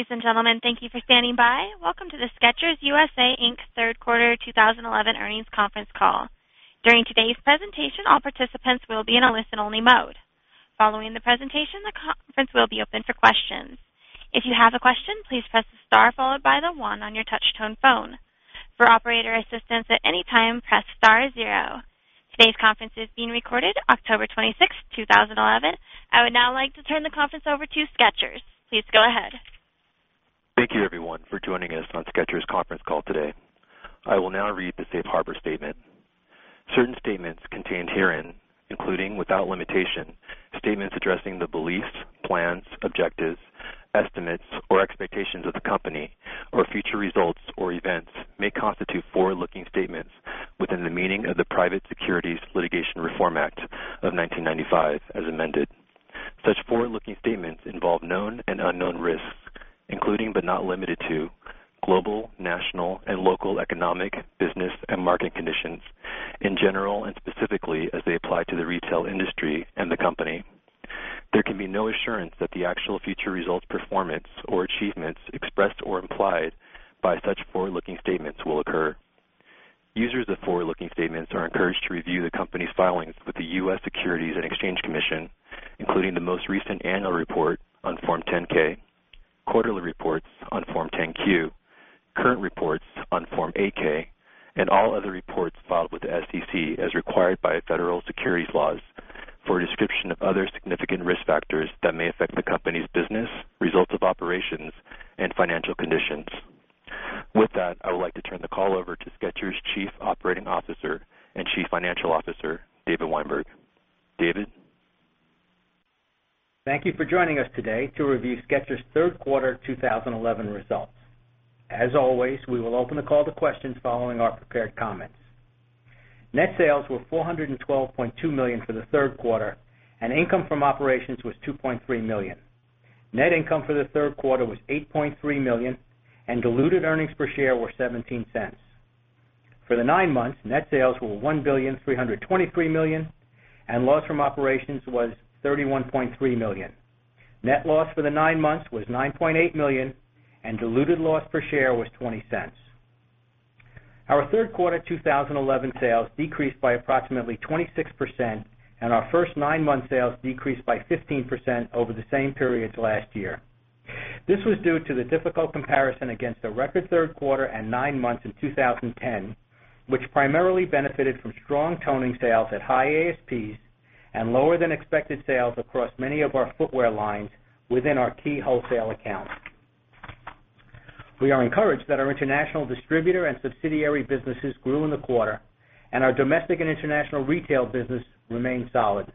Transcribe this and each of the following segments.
Ladies and gentlemen, thank you for standing by. Welcome to the Skechers USA, Inc third quarter 2011 earnings conference call. During today's presentation, all participants will be in a listen-only mode. Following the presentation, the conference will be open for questions. If you have a question, please press the star followed by the one on your touch-tone phone. For operator assistance at any time, press star zero. Today's conference is being recorded, October 26, 2011. I would now like to turn the conference over to Skechers. Please go ahead. Thank you, everyone, for joining us on Skechers' conference call today. I will now read the safe harbor statement. Certain statements contained herein, including without limitation, statements addressing the beliefs, plans, objectives, estimates, or expectations of the company, or future results or events may constitute forward-looking statements within the meaning of the Private Securities Litigation Reform Act of 1995 as amended. Such forward-looking statements involve known and unknown risks, including but not limited to global, national, and local economic, business, and market conditions in general and specifically as they apply to the retail industry and the company. There can be no assurance that the actual future results, performance, or achievements expressed or implied by such forward-looking statements will occur. Users of forward-looking statements are encouraged to review the company's filings with the U.S. Securities and Exchange Commission, including the most recent annual report on Form 10-K, quarterly reports on Form 10-Q, current reports on Form 8-K, and all other reports filed with the SEC as required by federal securities laws for a description of other significant risk factors that may affect the company's business, results of operations, and financial conditions. With that, I would like to turn the call over to Skechers' Chief Operating Officer and Chief Financial Officer, David Weinberg. David? Thank you for joining us today to review Skechers' third quarter 2011 results. As always, we will open the call to questions following our prepared comments. Net sales were $412.2 million for the third quarter, and income from operations was $2.3 million. Net income for the third quarter was $8.3 million, and diluted earnings per share were $0.17. For the nine months, net sales were $1,323,000,000, and loss from operations was $31.3 million. Net loss for the nine months was $9.8 million, and diluted loss per share was $0.20. Our third quarter 2011 sales decreased by approximately 26%, and our first nine-month sales decreased by 15% over the same periods last year. This was due to the difficult comparison against the record third quarter and nine months in 2010, which primarily benefited from strong toning sales at high ASPs and lower than expected sales across many of our footwear lines within our key wholesale accounts. We are encouraged that our international distributor and subsidiary businesses grew in the quarter, and our domestic and international retail business remained solid.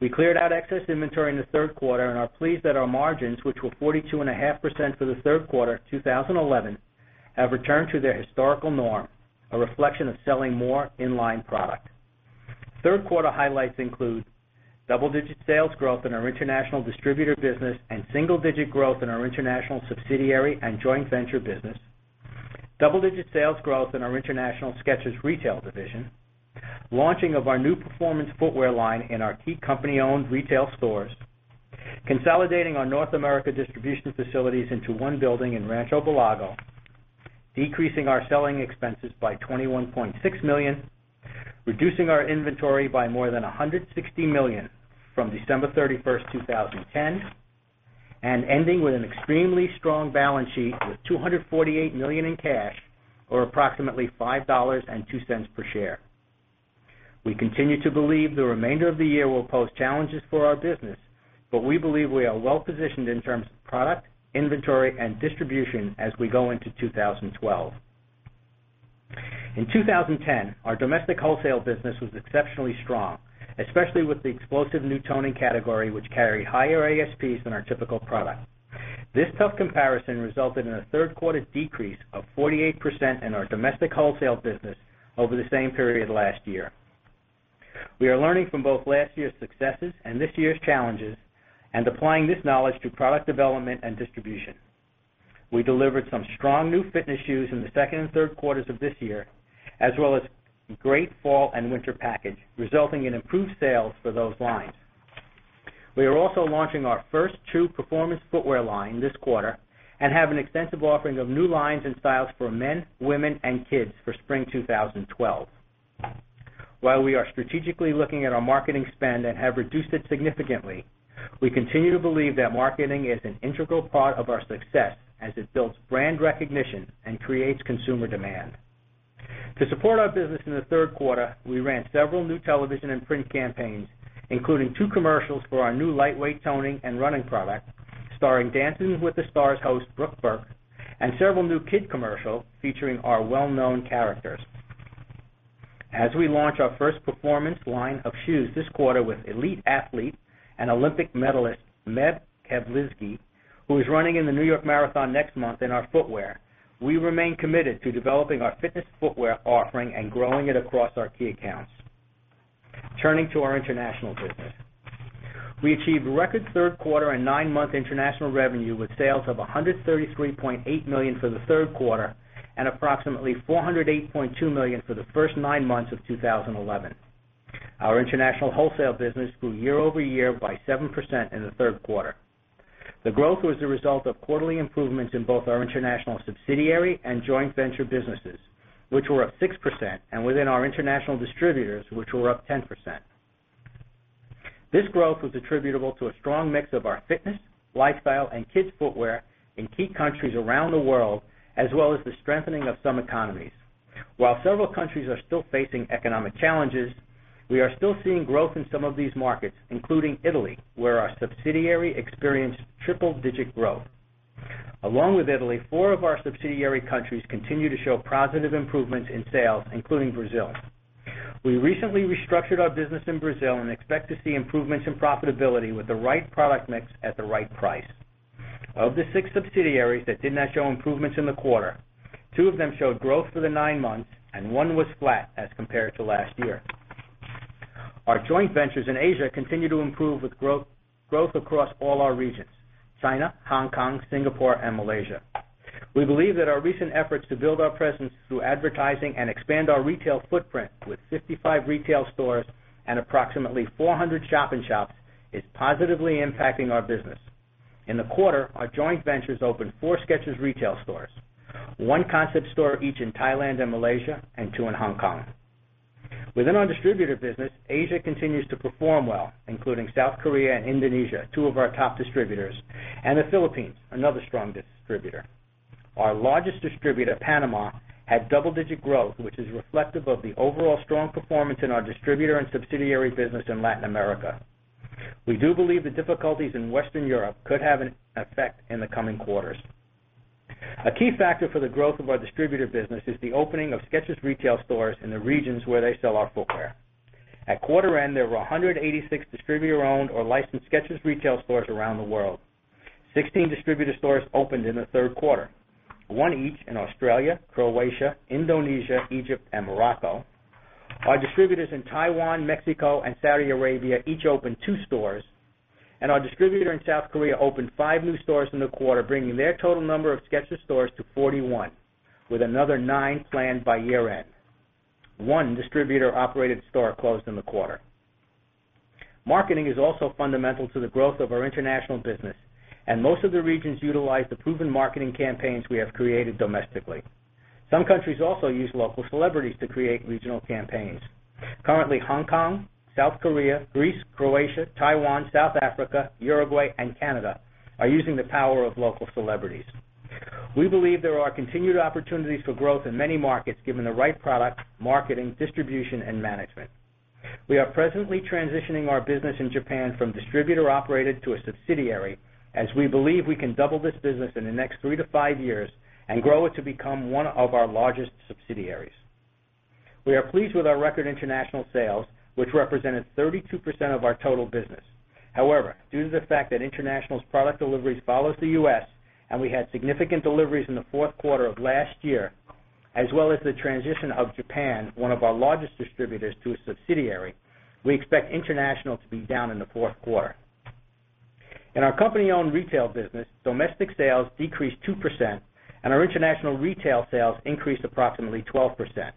We cleared out excess inventory in the third quarter and are pleased that our margins, which were 42.5% for the third quarter 2011, have returned to their historical norm, a reflection of selling more in-line product. Third quarter highlights include double-digit sales growth in our international distributor business and single-digit growth in our international subsidiary and joint venture business, double-digit sales growth in our international Skechers retail division, launching of our new performance footwear line in our key company-owned retail stores, consolidating our North America distribution facilities into one building in decreasing our selling expenses by $21.6 million, reducing our inventory by more than $160 million from December 31, 2010, and ending with an extremely strong balance sheet with $248 million in cash or approximately $5.02 per share. We continue to believe the remainder of the year will pose challenges for our business, but we believe we are well positioned in terms of product, inventory, and distribution as we go into 2012. In 2010, our domestic wholesale business was exceptionally strong, especially with the explosive new toning category, which carried higher ASPs than our typical product. This tough comparison resulted in a third quarter decrease of 48% in our domestic wholesale business over the same period last year. We are learning from both last year's successes and this year's challenges and applying this knowledge to product development and distribution. We delivered some strong new fitness shoes in the second and third quarters of this year, as well as a great fall and winter package, resulting in improved sales for those lines. We are also launching our first true performance footwear line this quarter and have an extensive offering of new lines and styles for men, women, and kids for spring 2012. While we are strategically looking at our marketing spend and have reduced it significantly, we continue to believe that marketing is an integral part of our success as it builds brand recognition and creates consumer demand. To support our business in the third quarter, we ran several new television and print campaigns, including two commercials for our new lightweight toning and running product starring Dancing With the Stars host Brooke Burke and several new kid commercials featuring our well-known characters. As we launch our first performance line of shoes this quarter with Elite athlete and Olympic medalist Meb Keflezighi, who is running in the New York Marathon next month in our footwear, we remain committed to developing our fitness footwear offering and growing it across our key accounts. Turning to our international business, we achieved record third quarter and nine-month international revenue with sales of $133.8 million for the third quarter and approximately $408.2 million for the first nine months of 2011. Our international wholesale business grew year-over-year by 7% in the third quarter. The growth was the result of quarterly improvements in both our international subsidiary and joint venture businesses, which were up 6%, and within our international distributors, which were up 10%. This growth was attributable to a strong mix of our fitness, lifestyle, and kids' footwear in key countries around the world, as well as the strengthening of some economies. While several countries are still facing economic challenges, we are still seeing growth in some of these markets, including Italy, where our subsidiary experienced triple-digit growth. Along with Italy, four of our subsidiary countries continue to show positive improvements in sales, including Brazil's. We recently restructured our business in Brazil and expect to see improvements in profitability with the right product mix at the right price. Of the six subsidiaries that did not show improvements in the quarter, two of them showed growth for the nine months, and one was flat as compared to last year. Our joint ventures in Asia continue to improve with growth across all our regions: China, Hong Kong, Singapore, and Malaysia. We believe that our recent efforts to build our presence through advertising and expand our retail footprint with 55 retail stores and approximately 400 shop-in-shops is positively impacting our business. In the quarter, our joint ventures opened four Skechers retail stores: one concept store each in Thailand and Malaysia, and two in Hong Kong. Within our distributor business, Asia continues to perform well, including South Korea and Indonesia, two of our top distributors, and the Philippines, another strong distributor. Our largest distributor, Panama, had double-digit growth, which is reflective of the overall strong performance in our distributor and subsidiary business in Latin America. We do believe the difficulties in Western Europe could have an effect in the coming quarters. A key factor for the growth of our distributor business is the opening of Skechers retail stores in the regions where they sell our footwear. At quarter end, there were 186 distributor-owned or licensed Skechers retail stores around the world. Sixteen distributor stores opened in the third quarter, one each in Australia, Croatia, Indonesia, Egypt, and Morocco. Our distributors in Taiwan, Mexico, and Saudi Arabia each opened two stores, and our distributor in South Korea opened five new stores in the quarter, bringing their total number of Skechers stores to 41, with another nine planned by year-end. One distributor-operated store closed in the quarter. Marketing is also fundamental to the growth of our international business, and most of the regions utilize the proven marketing campaigns we have created domestically. Some countries also use local celebrities to create regional campaigns. Currently, Hong Kong, South Korea, Greece, Croatia, Taiwan, South Africa, Uruguay, and Canada are using the power of local celebrities. We believe there are continued opportunities for growth in many markets given the right product, marketing, distribution, and management. We are presently transitioning our business in Japan from distributor-operated to a subsidiary, as we believe we can double this business in the next three to five years and grow it to become one of our largest subsidiaries. We are pleased with our record international sales, which represented 32% of our total business. However, due to the fact that International's product deliveries follow the U.S. and we had significant deliveries in the fourth quarter of last year, as well as the transition of Japan, one of our largest distributors, to a subsidiary, we expect International to be down in the fourth quarter. In our company-owned retail business, domestic sales decreased 2%, and our international retail sales increased approximately 12%.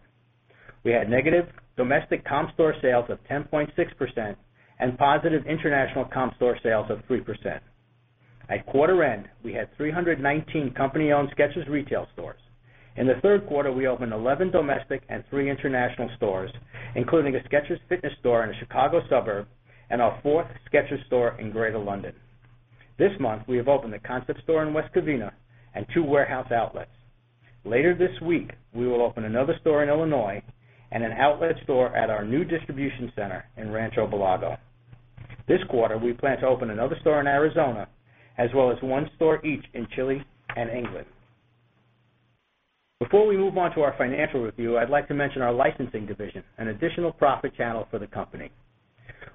We had negative domestic same-store sales of 10.6% and positive international same-store sales of 3%. At quarter end, we had 319 company-owned Skechers retail stores. In the third quarter, we opened 11 domestic and three international stores, including a Skechers fitness store in a Chicago suburb and our fourth Skechers store in Greater London. This month, we have opened a concept store in West Covina and two warehouse outlets. Later this week, we will open another store in Illinois and an outlet store at our new distribution center in Rancho Belago. This quarter, we plan to open another store in Arizona, as well as one store each in Chile and England. Before we move on to our financial review, I'd like to mention our licensing division, an additional profit channel for the company.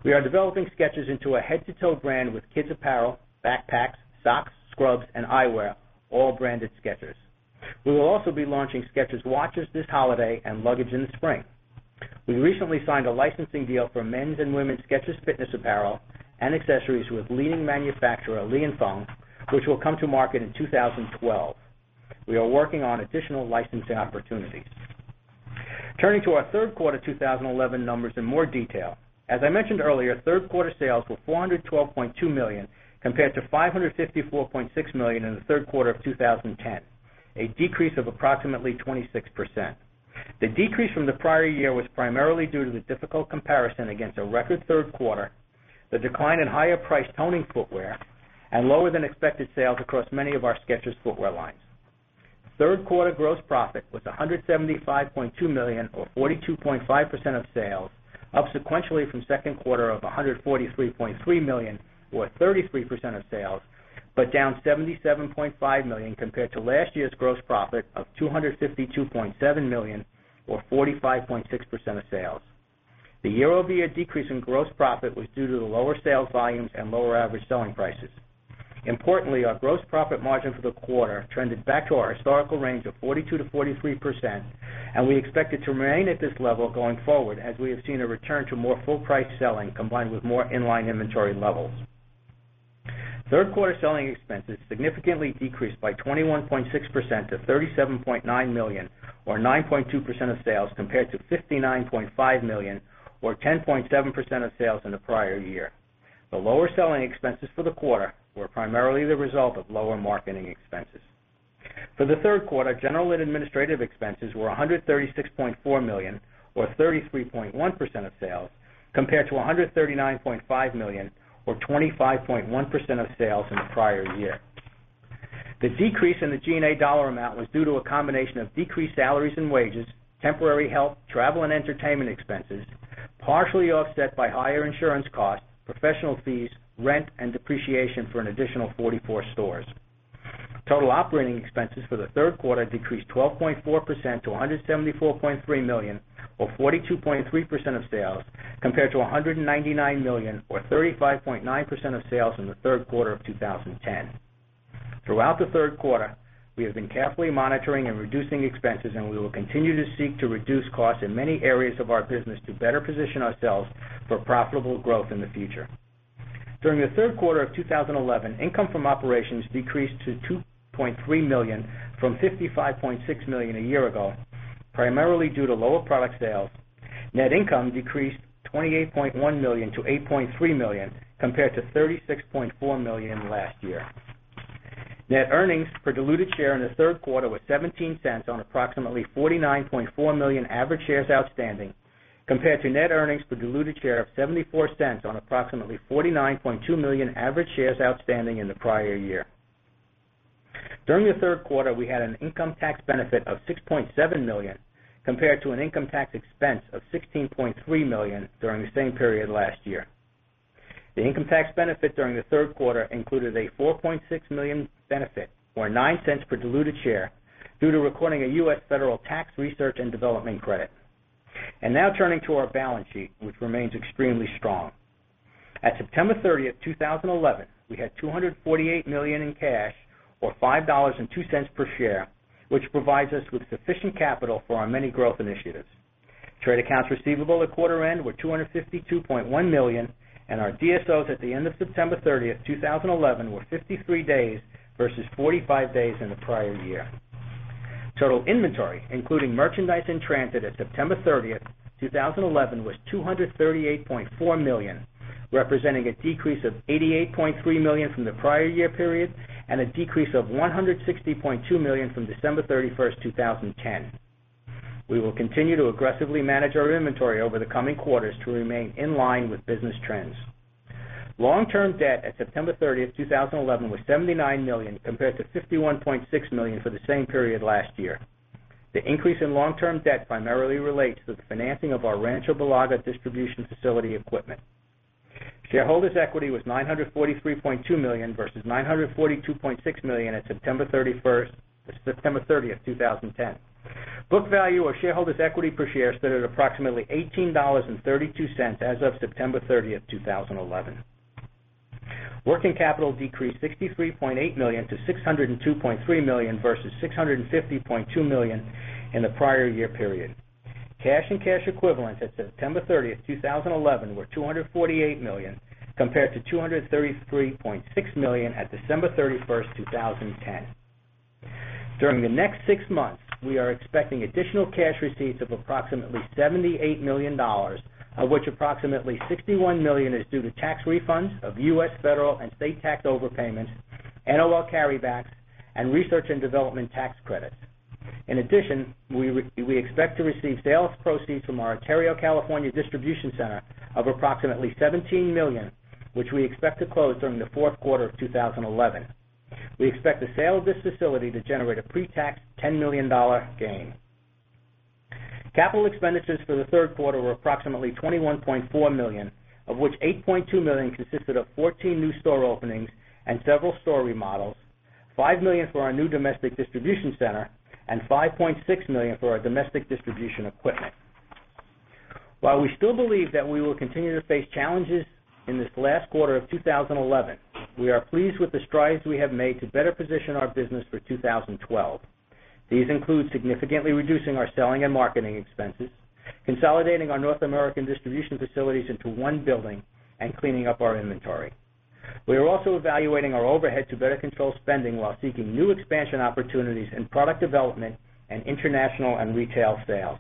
We are developing Skechers into a head-to-toe brand with kids' apparel, backpacks, socks, scrubs, and eyewear, all branded Skechers. We will also be launching Skechers watches this holiday and luggage in the spring. We recently signed a licensing deal for men's and women's Skechers fitness apparel and accessories with leading manufacturer Lianfeng, which will come to market in 2012. We are working on additional licensing opportunities. Turning to our third quarter 2011 numbers in more detail, as I mentioned earlier, third quarter sales were $412.2 million compared to $554.6 million in the third quarter of 2010, a decrease of approximately 26%. The decrease from the prior year was primarily due to the difficult comparison against a record third quarter, the decline in higher-priced toning footwear, and lower than expected sales across many of our Skechers footwear lines. Third quarter gross profit was $175.2 million, or 42.5% of sales, up sequentially from the second quarter of $143.3 million, or 33% of sales, but down $77.5 million compared to last year's gross profit of $252.7 million, or 45.6% of sales. The year-over-year decrease in gross profit was due to the lower sales volumes and lower average selling prices. Importantly, our gross profit margin for the quarter trended back to our historical range of 42%-43%, and we expect it to remain at this level going forward, as we have seen a return to more full-priced selling combined with more in-line inventory levels. Third quarter selling expenses significantly decreased by 21.6% to $37.9 million, or 9.2% of sales, compared to $59.5 million, or 10.7% of sales in the prior year. The lower selling expenses for the quarter were primarily the result of lower marketing expenses. For the third quarter, general and administrative expenses were $136.4 million, or 33.1% of sales, compared to $139.5 million, or 25.1% of sales in the prior year. The decrease in the G&A dollar amount was due to a combination of decreased salaries and wages, temporary health, travel, and entertainment expenses, partially offset by higher insurance costs, professional fees, rent, and depreciation for an additional 44 stores. Total operating expenses for the third quarter decreased 12.4% to $174.3 million, or 42.3% of sales, compared to $199 million, or 35.9% of sales in the third quarter of 2010. Throughout the third quarter, we have been carefully monitoring and reducing expenses, and we will continue to seek to reduce costs in many areas of our business to better position ourselves for profitable growth in the future. During the third quarter of 2011, income from operations decreased to $2.3 million from $55.6 million a year ago, primarily due to lower product sales. Net income decreased $28.1 million-$8.3 million, compared to $36.4 million last year. Net earnings per diluted share in the third quarter were $0.17 on approximately 49.4 million average shares outstanding, compared to net earnings per diluted share of $0.74 on approximately $49.2 million average shares outstanding in the prior year. During the third quarter, we had an income tax benefit of $6.7 million, compared to an income tax expense of $16.3 million during the same period last year. The income tax benefit during the third quarter included a $4.6 million benefit, or $0.09 per diluted share, due to recording a U.S. Federal Tax Research and Development Credit. Now turning to our balance sheet, which remains extremely strong. At September 30, 2011, we had $248 million in cash, or $5.02 per share, which provides us with sufficient capital for our many growth initiatives. Trade accounts receivable at quarter end were $252.1 million, and our DSOs at the end of September 30, 2011, were 53 days versus 45 days in the prior year. Total inventory, including merchandise in transit at September 30, 2011, was $238.4 million, representing a decrease of $88.3 million from the prior year period and a decrease of $160.2 million from December 31, 2010. We will continue to aggressively manage our inventory over the coming quarters to remain in line with business trends. Long-term debt at September 30, 2011, was $79 million, compared to $51.6 million for the same period last year. The increase in long-term debt primarily relates to the financing of our Rancho Belago distribution facility equipment. Shareholders' equity was $943.2 million versus $942.6 million at September 30th, 2010. Book value of shareholders' equity per share stood at approximately $18.32 as of September 30th, 2011. Working capital decreased $63.8 million-$602.3 million versus $650.2 million in the prior year period. Cash and cash equivalents at September 30, 2011, were $248 million, compared to $233.6 million at December 31, 2010. During the next six months, we are expecting additional cash receipts of approximately $78 million, of which approximately $61 million is due to tax refunds of U.S. Federal and State tax overpayments, NOL carrybacks, and Research and Development tax credits. In addition, we expect to receive sales proceeds from our Ontario, California, distribution center of approximately $17 million, which we expect to close during the fourth quarter of 2011. We expect the sale of this facility to generate a pre-tax $10 million gain. Capital expenditures for the third quarter were approximately $21.4 million, of which $8.2 million consisted of 14 new store openings and several store remodels, $5 million for our new domestic distribution center, and $5.6 million for our domestic distribution equipment. While we still believe that we will continue to face challenges in this last quarter of 2011, we are pleased with the strides we have made to better position our business for 2012. These include significantly reducing our selling and marketing expenses, consolidating our North American distribution facilities into one building, and cleaning up our inventory. We are also evaluating our overhead to better control spending while seeking new expansion opportunities in product development and international and retail sales.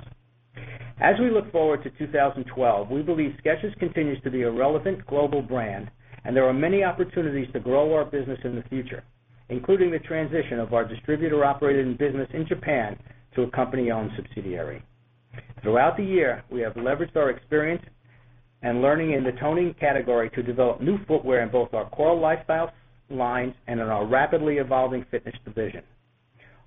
As we look forward to 2012, we believe Skechers continues to be a relevant global brand, and there are many opportunities to grow our business in the future, including the transition of our distributor-operated business in Japan to a company-owned subsidiary. Throughout the year, we have leveraged our experience and learning in the toning category to develop new footwear in both our core lifestyle lines and in our rapidly evolving fitness division.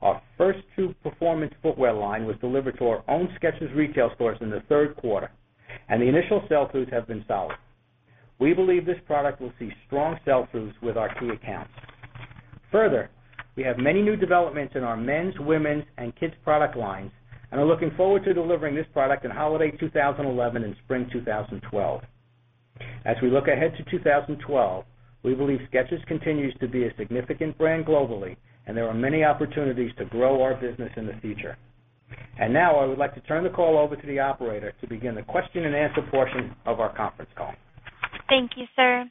Our first true performance footwear line was delivered to our own Skechers retail stores in the third quarter, and the initial sale throughs have been solid. We believe this product will see strong sale throughs with our key accounts. Further, we have many new developments in our men's, women's, and kids' product lines and are looking forward to delivering this product in holiday 2011 and spring 2012. As we look ahead to 2012, we believe Skechers continues to be a significant brand globally, and there are many opportunities to grow our business in the future. I would like to turn the call over to the operator to begin the question-and-answer portion of our conference call. Thank you, sir.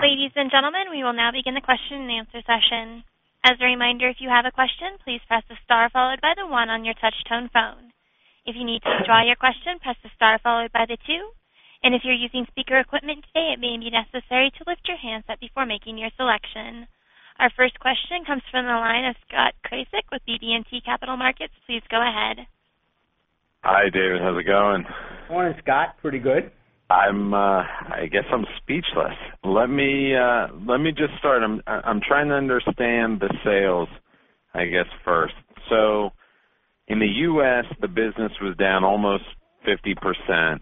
Ladies and gentlemen, we will now begin the question-and-answer session. As a reminder, if you have a question, please press the star followed by the one on your touch-tone phone. If you need to withdraw your question, press the star followed by the two. If you're using speaker equipment today, it may be necessary to lift your handset before making your selection. Our first question comes from the line of Scott Krasik with BB&T Capital Markets. Please go ahead. Hi, David. How's it going? Morning, Scott. Pretty good. I'm speechless. Let me just start. I'm trying to understand the sales, I guess, first. In the U.S., the business was down almost 50%,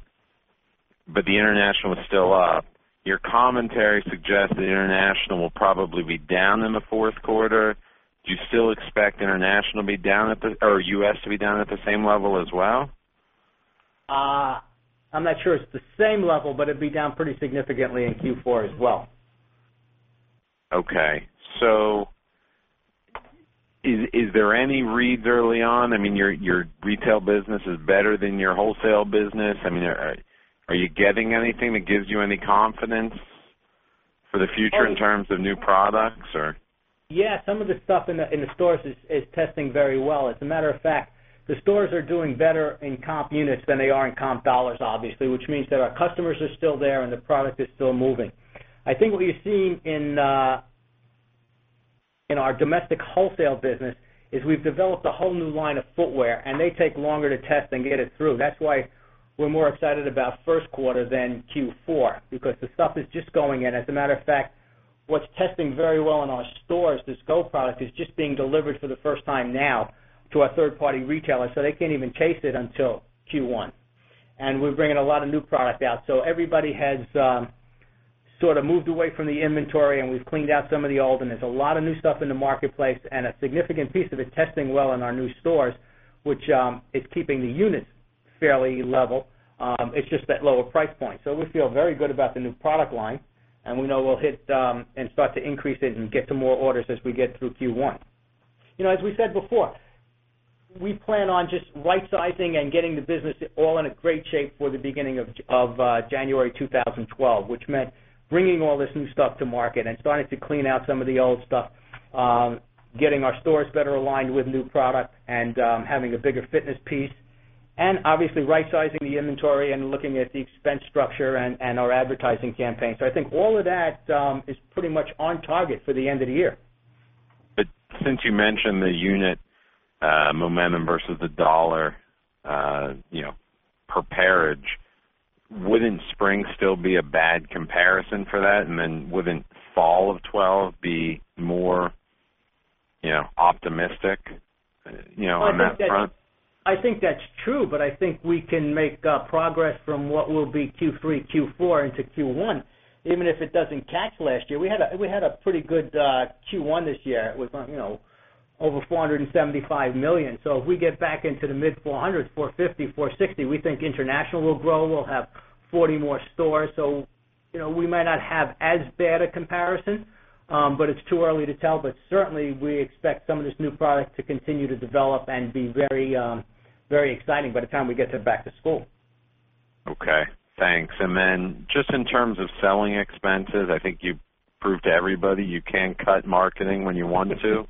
but the International was still up. Your commentary suggests the International will probably be down in the fourth quarter. Do you still expect international to be down at the, or U.S. to be down at the same level as well? I'm not sure it's the same level, but it'd be down pretty significantly in Q4 as well. Is there any read early on? Your retail business is better than your wholesale business. Are you getting anything that gives you any confidence for the future in terms of new products? Yeah, some of the stuff in the stores is testing very well. As a matter of fact, the stores are doing better in comp units than they are in comp dollars, obviously, which means that our customers are still there and the product is still moving. I think what you're seeing in our domestic wholesale business is we've developed a whole new line of footwear, and they take longer to test and get it through. That's why we're more excited about first quarter than Q4, because the stuff is just going in. As a matter of fact, what's testing very well in our stores, this gold product is just being delivered for the first time now to our third-party retailers, so they can't even taste it until Q1. We're bringing a lot of new product out. Everybody has sort of moved away from the inventory, and we've cleaned out some of the old, and there's a lot of new stuff in the marketplace, and a significant piece of it testing well in our new stores, which is keeping the units fairly level. It's just that lower price point. We feel very good about the new product line, and we know we'll hit and start to increase it and get some more orders as we get through Q1. You know, as we said before, we plan on just right-sizing and getting the business all in a great shape for the beginning of January 2012, which meant bringing all this new stuff to market and starting to clean out some of the old stuff, getting our stores better aligned with new product and having a bigger fitness piece, and obviously right-sizing the inventory and looking at the expense structure and our advertising campaign. I think all of that is pretty much on target for the end of the year. Since you mentioned the unit momentum versus the dollar, you know, per pairage, wouldn't spring still be a bad comparison for that? Wouldn't fall of 2012 be more, you know, optimistic? I think that's true, but I think we can make progress from what will be Q3, Q4 into Q1. Even if it doesn't catch last year, we had a pretty good Q1 this year with, you know, over $475 million. If we get back into the mid-$400s, $450 million, $460 million, we think international will grow. We'll have 40 more stores. We might not have as bad a comparison, but it's too early to tell. Certainly, we expect some of this new product to continue to develop and be very, very exciting by the time we get it back to school. Okay, thanks. In terms of selling expenses, I think you proved to everybody you can cut marketing when you want to.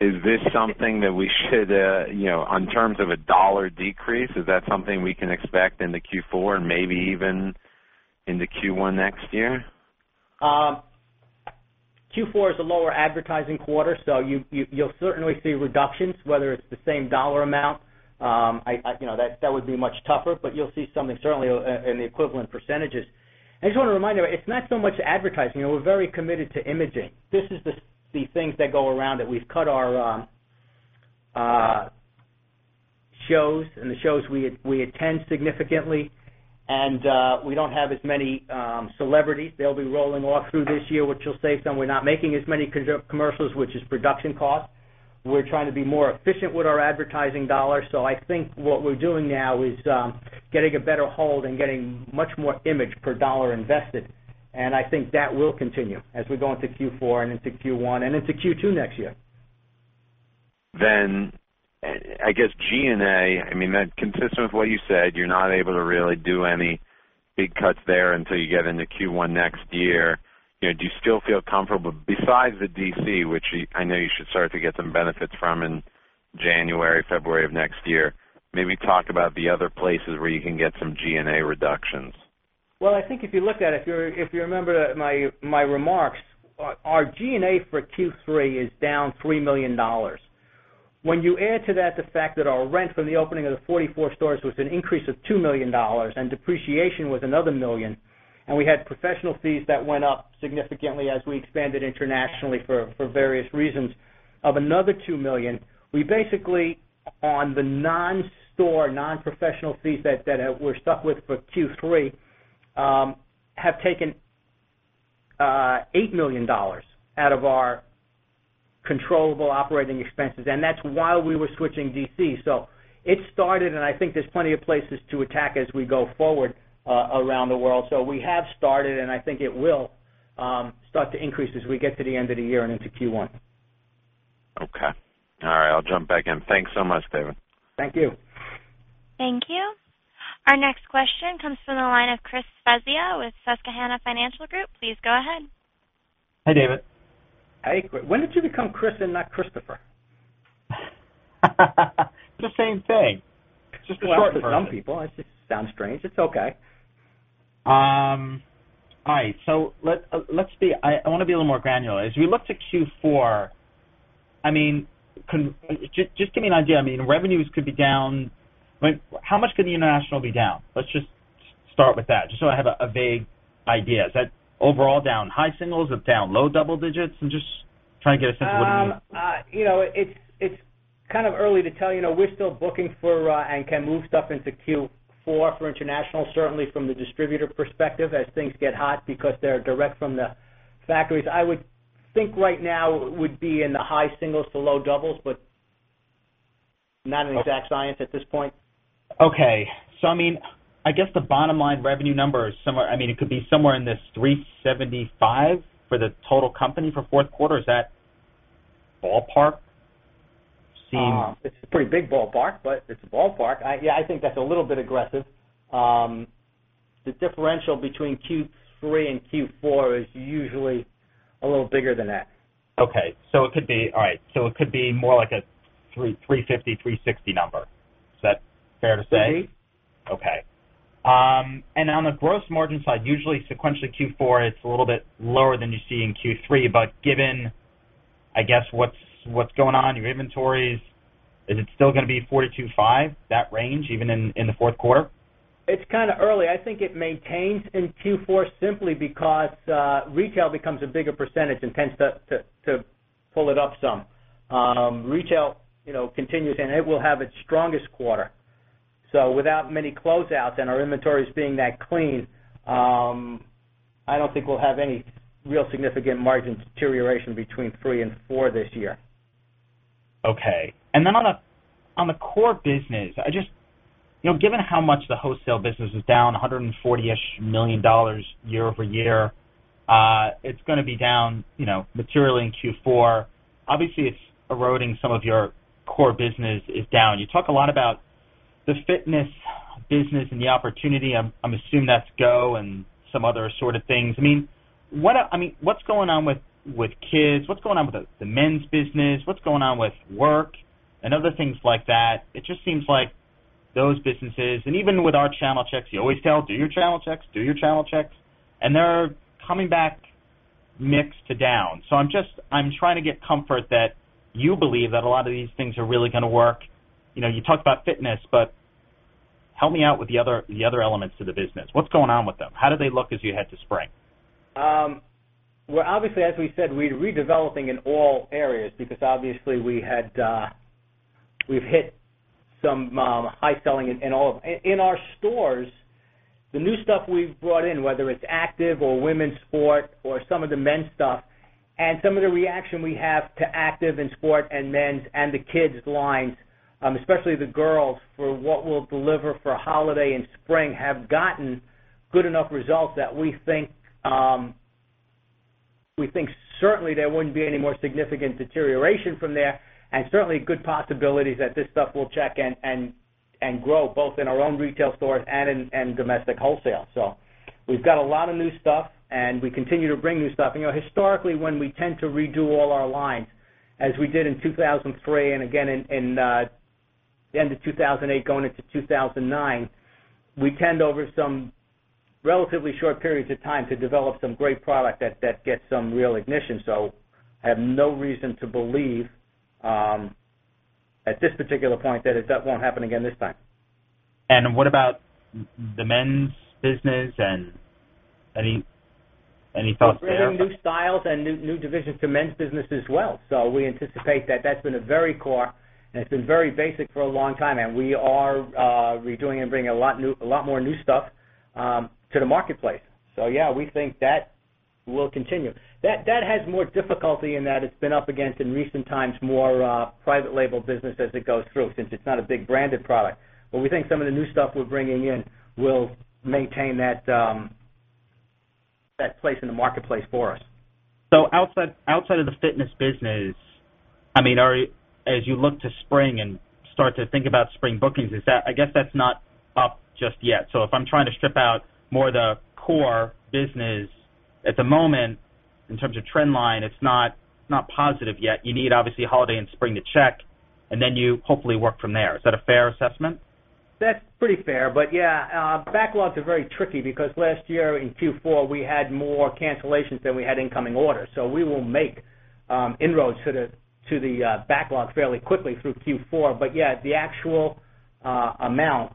Is this something that we should, you know, in terms of a dollar decrease, is that something we can expect in Q4 and maybe even into Q1 next year? Q4 is a lower advertising quarter, so you'll certainly see reductions, whether it's the same dollar amount. That would be much tougher, but you'll see something certainly in the equivalent percentages. I just want to remind everybody, it's not so much advertising. We're very committed to imaging. This is the things that go around that we've cut our shows and the shows we attend significantly, and we don't have as many celebrities. They'll be rolling off through this year, which will save some. We're not making as many commercials, which is production cost. We're trying to be more efficient with our advertising dollars. I think what we're doing now is getting a better hold and getting much more image per dollar invested. I think that will continue as we go into Q4 and into Q1 and into Q2 next year. I guess, G&A, I mean, that is consistent with what you said, you're not able to really do any big cuts there until you get into Q1 next year. You know, do you still feel comfortable, besides the DC, which I know you should start to get some benefits from in January, February of next year, maybe talk about the other places where you can get some G&A reductions. I think if you look at it, if you remember my remarks, our G&A for Q3 is down $3 million. When you add to that the fact that our rent from the opening of the 44 stores was an increase of $2 million and depreciation was another $1 million, and we had professional fees that went up significantly as we expanded internationally for various reasons of another $2 million, we basically, on the non-store, non-professional fees that we're stuck with for Q3, have taken $8 million out of our controllable operating expenses. That's while we were switching DC. It started, and I think there's plenty of places to attack as we go forward around the world. We have started, and I think it will start to increase as we get to the end of the year and into Q1. Okay. All right, I'll jump back in. Thanks so much, David. Thank you. Thank you. Our next question comes from the line of Chris Svezia with Susquehanna Financial Group. Please go ahead. Hi, David. Hey, when did you become Chris and not Christopher? It's the same thing. It's just a short for some people. It just sounds strange. It's okay. All right. I want to be a little more granular. As we look to Q4, just give me an idea. Revenues could be down. How much could the international be down? Let's just start with that, just so I have a vague idea. Is that overall down high singles or down low double digits? I'm just trying to get a sense of what it means. You know. It's kind of early to tell. We're still booking for and can move stuff into Q4 for international, certainly from the distributor perspective as things get hot because they're direct from the factories. I would think right now it would be in the high singles to low doubles, but not an exact science at this point. Okay. I guess the bottom line revenue number is somewhere, it could be somewhere in this $375 million for the total company for fourth quarter. Is that ballpark? It's a pretty big ballpark, but it's a ballpark. Yeah, I think that's a little bit aggressive. The differential between Q3 and Q4 is usually a little bigger than that. Okay. It could be, all right, it could be more like a $350 million, $360 million number. Is that fair to say? Okay. On the gross margin side, usually sequentially Q4, it's a little bit lower than you see in Q3, but given, I guess, what's going on in your inventories, is it still going to be 42.5%, that range, even in the fourth quarter? It's kind of early. I think it maintains in Q4 simply because retail becomes a bigger percentage and tends to pull it up some. Retail continues and it will have its strongest quarter. Without many closeouts and our inventories being that clean, I don't think we'll have any real significant margin deterioration between three and four this year. Okay. On the core business, given how much the wholesale business is down, $140 million-ish year over year, it's going to be down materially in Q4. Obviously, it's eroding some of your core business. You talk a lot about the fitness business and the opportunity. I'm assuming that's GO and some other assorted things. What's going on with kids? What's going on with the men's business? What's going on with work and other things like that? It just seems like those businesses, and even with our channel checks, you always tell, do your channel checks, do your channel checks, and they're coming back mixed to down. I'm trying to get comfort that you believe that a lot of these things are really going to work. You know, you talk about fitness, but help me out with the other elements to the business. What's going on with them? How do they look as you head to spring? Obviously, as we said, we're redeveloping in all areas because we've hit some high selling in all of them. In our stores, the new stuff we've brought in, whether it's active or women's sport or some of the men's stuff, and some of the reaction we have to active and sport and men's and the kids' lines, especially the girls for what we'll deliver for holiday and spring, have gotten good enough results that we think certainly there wouldn't be any more significant deterioration from there. Certainly, good possibilities that this stuff will check and grow both in our own retail stores and in domestic wholesale. We've got a lot of new stuff and we continue to bring new stuff. Historically, when we tend to redo all our lines, as we did in 2003 and again at the end of 2008 going into 2009, we tend over some relatively short periods of time to develop some great product that gets some real ignition. I have no reason to believe at this particular point that that won't happen again this time. What about the men's business and any thoughts there? We're adding new styles and new divisions to men's business as well. We anticipate that that's been a very core and it's been very basic for a long time. We are redoing and bringing a lot more new stuff to the marketplace. We think that will continue. That has more difficulty in that it's been up against in recent times more private label business as it goes through since it's not a big branded product. We think some of the new stuff we're bringing in will maintain that place in the marketplace for us. Outside of the fitness business, as you look to spring and start to think about spring bookings, I guess that's not up just yet. If I'm trying to strip out more of the core business at the moment in terms of trend line, it's not positive yet. You need holiday and spring to check, and then you hopefully work from there. Is that a fair assessment? That's pretty fair. Yeah, backlogs are very tricky because last year in Q4, we had more cancellations than we had incoming orders. We will make inroads to the backlog fairly quickly through Q4. The actual amount,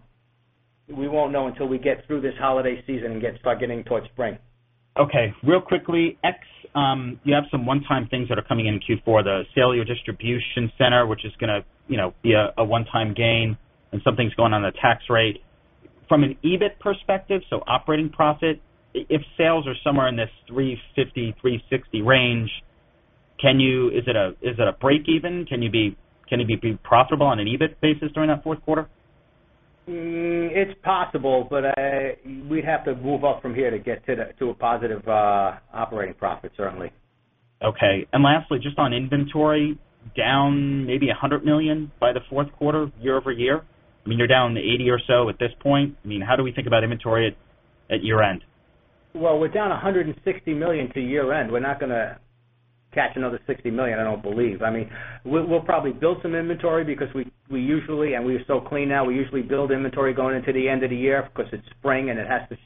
we won't know until we get through this holiday season and start getting towards spring. Real quickly, you have some one-time things that are coming in Q4, the sale of your distribution center, which is going to be a one-time gain, and something's going on in the tax rate. From an EBIT perspective, so operating profit, if sales are somewhere in this $350 million, $360 million range, is it a break even? Can you be profitable on an EBIT basis during that fourth quarter? It's possible, but we'd have to move up from here to get to a positive operating profit, certainly. Lastly, just on inventory, down maybe $100 million by the fourth quarter, year-over-year. You're down $80 million or so at this point. How do we think about inventory at year-end? We're down $160 million to year end. We're not going to catch another $60 million, I don't believe. We'll probably build some inventory because we usually, and we are so clean now, we usually build inventory going into the end of the year because it's spring and it has to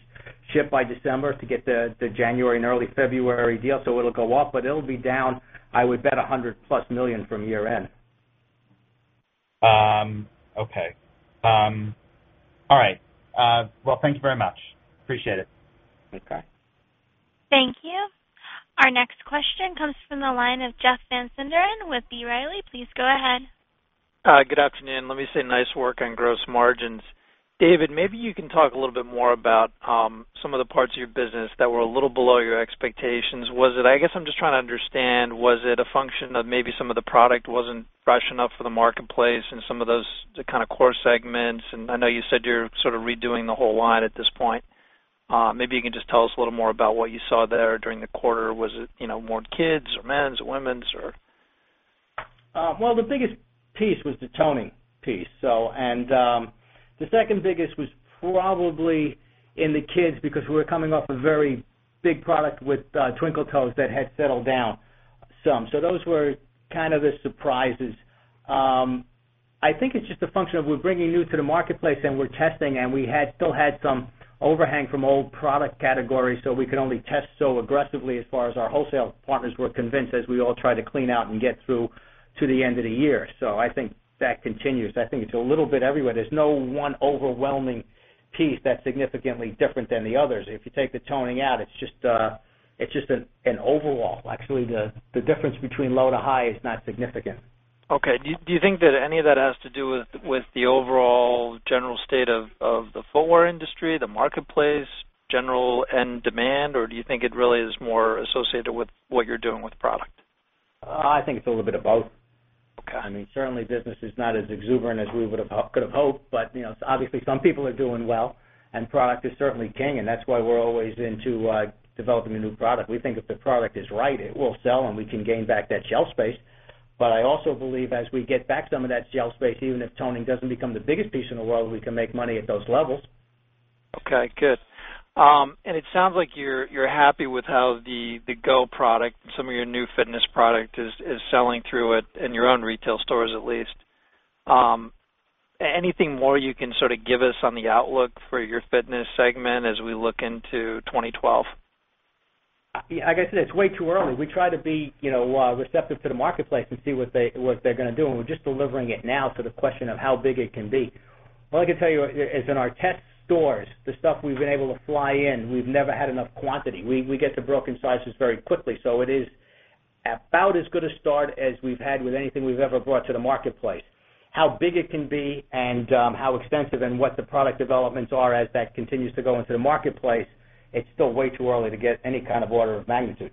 ship by December to get the January and early February deal. It'll go up, but it'll be down, I would bet, $100 million+ from year end. All right. Thank you very much. Appreciate it. Thank you. All right. Our next question comes from the line of Jeff Van Sinderen with B. Riley. Please go ahead. Good afternoon. Let me say nice work on gross margins. David, maybe you can talk a little bit more about some of the parts of your business that were a little below your expectations. I guess I'm just trying to understand, was it a function of maybe some of the product wasn't fresh enough for the marketplace and some of those kind of core segments? I know you said you're sort of redoing the whole line at this point. Maybe you can just tell us a little more about what you saw there during the quarter. Was it, you know, more kids or men's or women's or? The biggest piece was the toning piece, and the second biggest was probably in the kids because we were coming off a very big product with Twinkle Toes that had settled down some. Those were kind of the surprises. I think it's just a function of we're bringing new to the marketplace and we're testing, and we still had some overhang from old product categories, so we could only test so aggressively as far as our wholesale partners were convinced as we all try to clean out and get through to the end of the year. I think that continues. I think it's a little bit everywhere. There's no one overwhelming piece that's significantly different than the others. If you take the toning out, it's just an overall. Actually, the difference between low to high is not significant. Okay. Do you think that any of that has to do with the overall general state of the footwear industry, the marketplace, general end demand, or do you think it really is more associated with what you're doing with product? I think it's a little bit of both. I mean, certainly business is not as exuberant as we would have hoped, but you know, obviously some people are doing well and product is certainly king. That's why we're always into developing a new product. We think if the product is right, it will sell and we can gain back that shelf space. I also believe as we get back some of that shelf space, even if toning doesn't become the biggest piece in the world, we can make money at those levels. Okay, good. It sounds like you're happy with how the GO product, some of your new fitness product, is selling through in your own retail stores at least. Anything more you can sort of give us on the outlook for your fitness segment as we look into 2012? Like I said, it's way too early. We try to be receptive to the marketplace and see what they're going to do. We're just delivering it now to the question of how big it can be. I can tell you as in our test stores, the stuff we've been able to fly in, we've never had enough quantity. We get the broken sizes very quickly. It is about as good a start as we've had with anything we've ever brought to the marketplace. How big it can be and how extensive and what the product developments are as that continues to go into the marketplace, it's still way too early to get any kind of order of magnitude.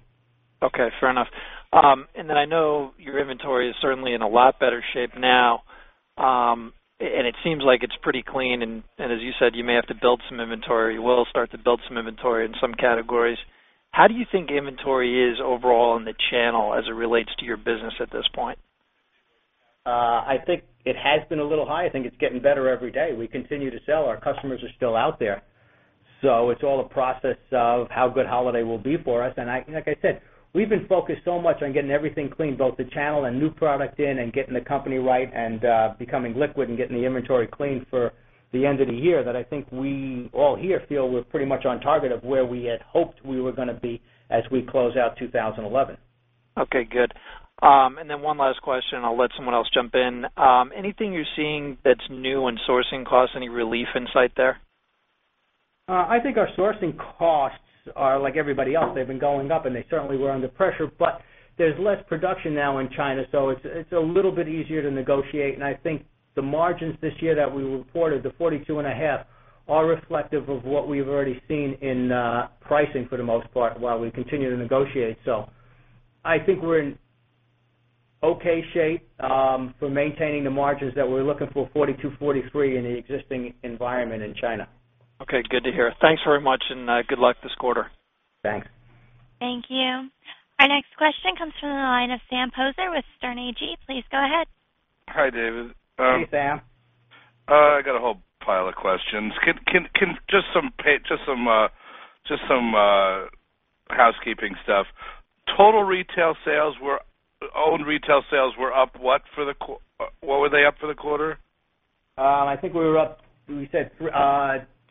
Okay, fair enough. I know your inventory is certainly in a lot better shape now. It seems like it's pretty clean. As you said, you may have to build some inventory. You will start to build some inventory in some categories. How do you think inventory is overall in the channel as it relates to your business at this point? I think it has been a little high. I think it's getting better every day. We continue to sell. Our customers are still out there. It is all a process of how good holiday will be for us. Like I said, we've been focused so much on getting everything cleaned, both the channel and new product in and getting the company right and becoming liquid and getting the inventory cleaned for the end of the year that I think we all here feel we're pretty much on target of where we had hoped we were going to be as we close out 2011. Okay, good. One last question, I'll let someone else jump in. Anything you're seeing that's new in sourcing costs? Any relief in sight there? I think our sourcing costs are, like everybody else, they've been going up and they certainly were under pressure, but there's less production now in China. It's a little bit easier to negotiate. I think the margins this year that we reported, the 42.5%, are reflective of what we've already seen in pricing for the most part while we continue to negotiate. I think we're in okay shape for maintaining the margins that we're looking for, 42%, 43%, in the existing environment in China. Okay, good to hear. Thanks very much, and good luck this quarter. Thanks. Thank you. Our next question comes from the line of Sam Poser with Sterne Agee. Please go ahead. Hi, David. Hey, Sam. I got a whole pile of questions. Can just some housekeeping stuff. Total retail sales, owned retail sales were up what for the quarter? I think we were up, we said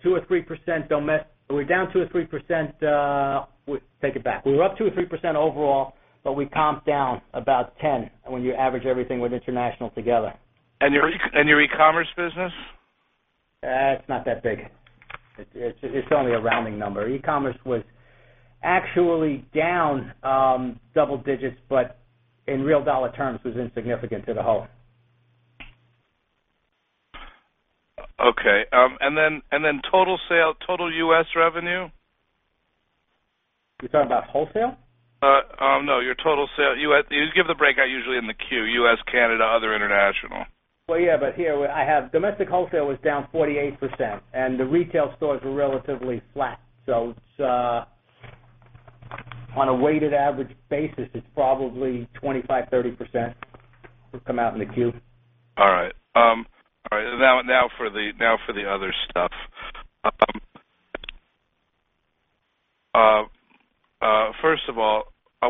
2% or 3%. Don't mess. We're down 2% or 3%. We'll take it back. We were up 2% or 3% overall, but we comped down about 10% when you average everything with International together. Your e-commerce business? It's not that big. It's only a rounding number. E-commerce was actually down double digits, but in real dollar terms, it was insignificant to the whole. Okay. Total sales, total U.S. revenue? You're talking about wholesale? No, your total sale. You give the breakout usually in the Q, U.S., Canada, other International. Domestic wholesale was down 48%, and the retail stores were relatively flat. On a weighted average basis, it's probably 25%, 30% come out in the queue. All right. Now for the other stuff. First of all,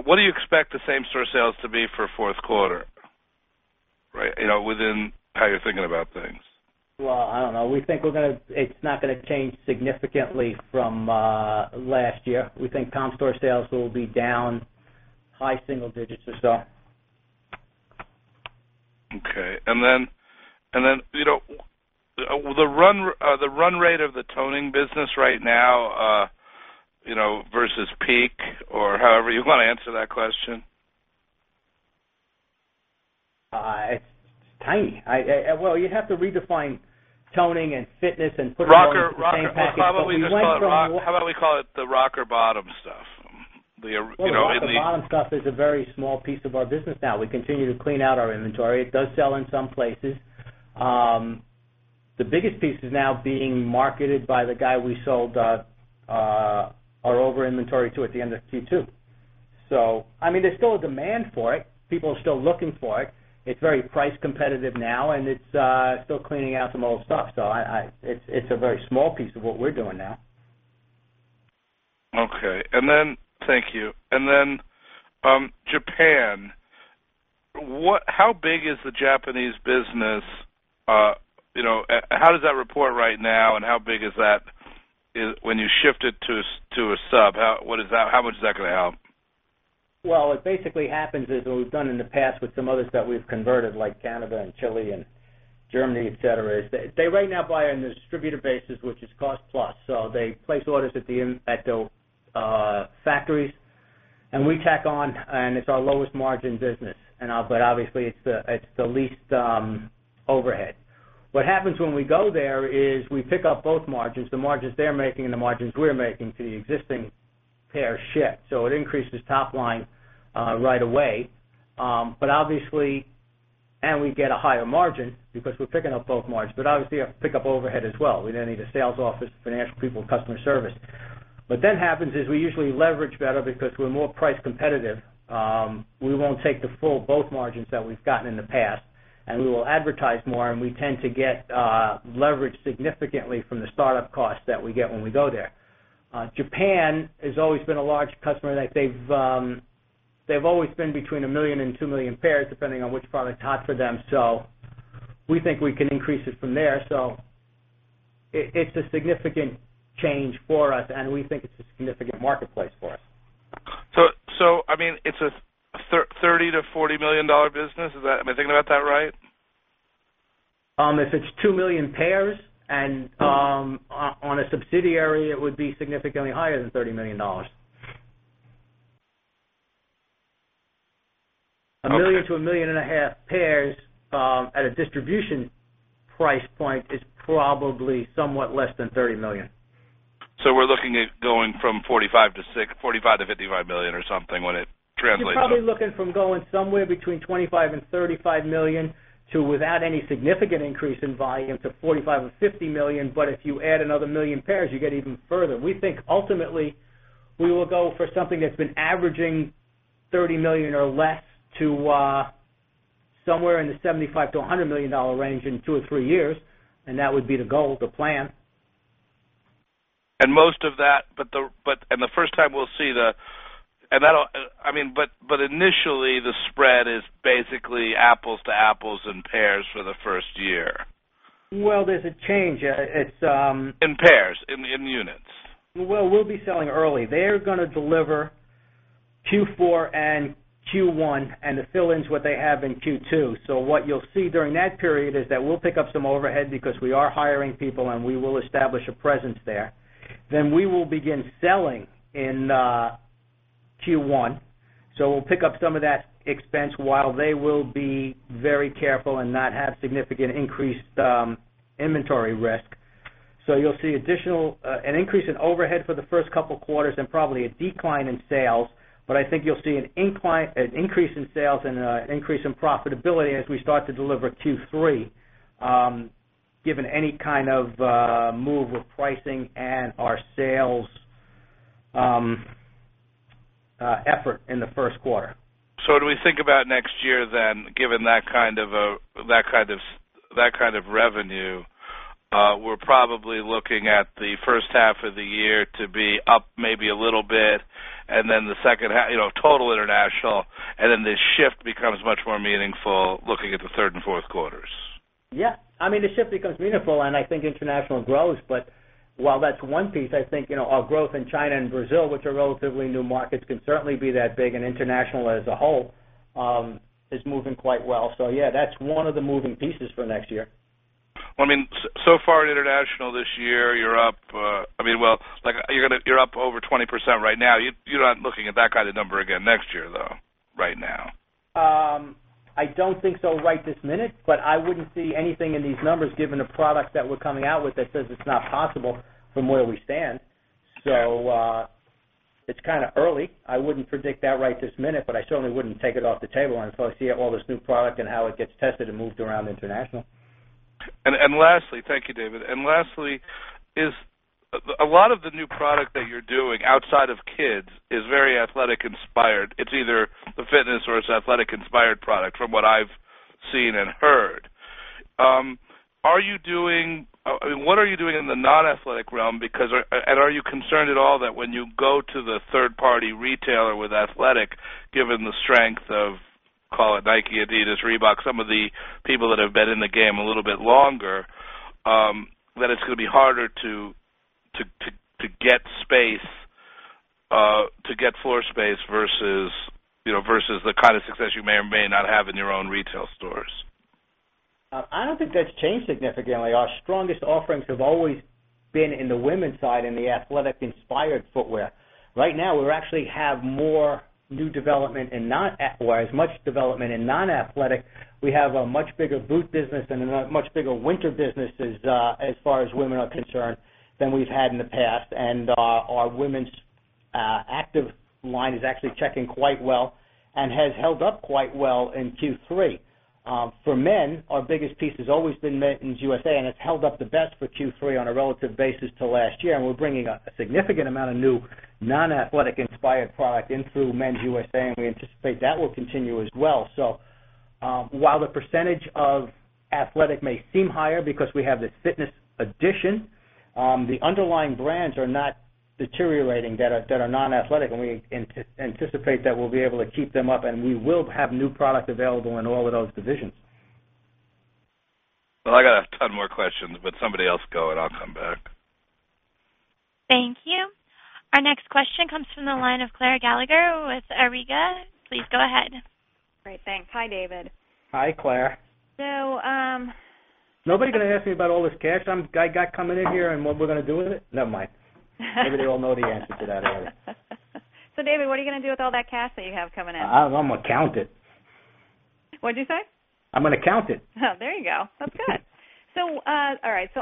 what do you expect the same-store sales to be for a fourth quarter? Right. You know, within how you're thinking about things. I don't know. We think we're going to, it's not going to change significantly from last year. We think comp store sales will be down high single digits or so. Okay. You know, the run rate of the toning business right now, you know, versus peak or however you want to answer that question. It's tiny. You'd have to redefine toning and fitness and put the same package. How about we call it the rocker bottom stuff? The rocker bottom stuff is a very small piece of our business now. We continue to clean out our inventory. It does sell in some places. The biggest piece is now being marketed by the guy we sold our over-inventory to at the end of Q2. There's still a demand for it. People are still looking for it. It's very price competitive now, and it's still cleaning out some old stuff. It's a very small piece of what we're doing now. Thank you. Japan, how big is the Japanese business? How does that report right now and how big is that when you shift it to a sub? How much is that going to help? What basically happens is what we've done in the past with some others that we've converted, like Canada and Chile and Germany, etc., is they right now buy on the distributor basis, which is cost plus. They place orders at the factories and we tack on and it's our lowest margin business. Obviously, it's the least overhead. What happens when we go there is we pick up both margins, the margins they're making and the margins we're making to the existing pair ship. It increases top line right away. Obviously, we get a higher margin because we're picking up both margins, but obviously a pickup overhead as well. We need a sales office, financial people, customer service. What then happens is we usually leverage better because we're more price competitive. We won't take the full both margins that we've gotten in the past and we will advertise more and we tend to get leveraged significantly from the startup costs that we get when we go there. Japan has always been a large customer that they've always been between $1 million and $2 million pairs, depending on which product's hot for them. We think we can increase it from there. It's a significant change for us and we think it's a significant marketplace for us. It's a $30 million-$40 million business. Am I thinking about that right? If it's 2 million pairs and on a subsidiary, it would be significantly higher than $30 million. A 1 million to a 1 million and a half pairs at a distribution price point is probably somewhat less than $30 million. We're looking at going from $45 million-$55 million or something when it translates. We're probably looking from going somewhere between $25 million and $35 million to, without any significant increase in volume, $45 million or $50 million. If you add another million pairs, you get even further. We think ultimately we will go for something that's been averaging $30 million or less to somewhere in the $75 million-$100 million range in two or three years. That would be the goal, the plan. Most of that, the first time we'll see the, that'll, I mean, initially the spread is basically apples to apples and pairs for the first year? There's a change. In pairs, in units. We will be selling early. They are going to deliver Q4 and Q1 and the fill-ins, what they have in Q2. What you will see during that period is that we will pick up some overhead because we are hiring people and we will establish a presence there. We will begin selling in Q1, so we will pick up some of that expense while they will be very careful and not have significant increased inventory risk. You will see an increase in overhead for the first couple of quarters and probably a decline in sales. I think you will see an increase in sales and an increase in profitability as we start to deliver Q3, given any kind of move with pricing and our sales effort in the first quarter. Do we think about next year then, given that kind of revenue, we're probably looking at the first half of the year to be up maybe a little bit, and then the second half, you know, total international, and then the shift becomes much more meaningful looking at the third and fourth quarters. Yeah, the shift becomes meaningful and I think international grows. While that's one piece, our growth in China and Brazil, which are relatively new markets, can certainly be that big, and International as a whole is moving quite well. That's one of the moving pieces for next year. So far in International this year, you're up, I mean, you're up over 20% right now. You're not looking at that kind of number again next year, though, right now. I don't think so right this minute, but I wouldn't see anything in these numbers given the product that we're coming out with that says it's not possible from where we stand. It's kind of early. I wouldn't predict that right this minute, but I certainly wouldn't take it off the table until I see all this new product and how it gets tested and moved around International. Thank you, David. Lastly, a lot of the new product that you're doing outside of kids is very athletic-inspired. It's either a fitness or it's an athletic-inspired product from what I've seen and heard. Are you doing, I mean, what are you doing in the non-athletic realm? Are you concerned at all that when you go to the third-party retailer with athletic, given the strength of, call it Nike, adidas, Reebok, some of the people that have been in the game a little bit longer, that it's going to be harder to get space, to get floor space versus the kind of success you may or may not have in your own retail stores? I don't think that's changed significantly. Our strongest offerings have always been in the women's side in the athletic-inspired footwear. Right now, we actually have more new development in non-athletic, we have a much bigger boot business and a much bigger winter business as far as women are concerned than we've had in the past. Our women's active line is actually checking quite well and has held up quite well in Q3. For men, our biggest piece has always been men's U.S.A., and it's held up the best for Q3 on a relative basis to last year. We're bringing a significant amount of new non-athletic-inspired product in through men's U.S.A., and we anticipate that will continue as well. While the percentage of athletic may seem higher because we have this fitness addition, the underlying brands that are non-athletic are not deteriorating, and we anticipate that we'll be able to keep them up, and we will have new product available in all of those divisions. I got a ton more questions, but somebody else go and I'll come back. Thank you. Our next question comes from the line of Claire Gallacher with Auriga. Please go ahead. Great, thanks. Hi, David. Hi, Claire. So. Nobody's going to ask me about all this cash I got coming in here and what we're going to do with it. Never mind. Maybe they'll know the answer to that later. David, what are you going to do with all that cash that you have coming in? I'm going to count it. What did you say? I'm going to count it. There you go. That's good.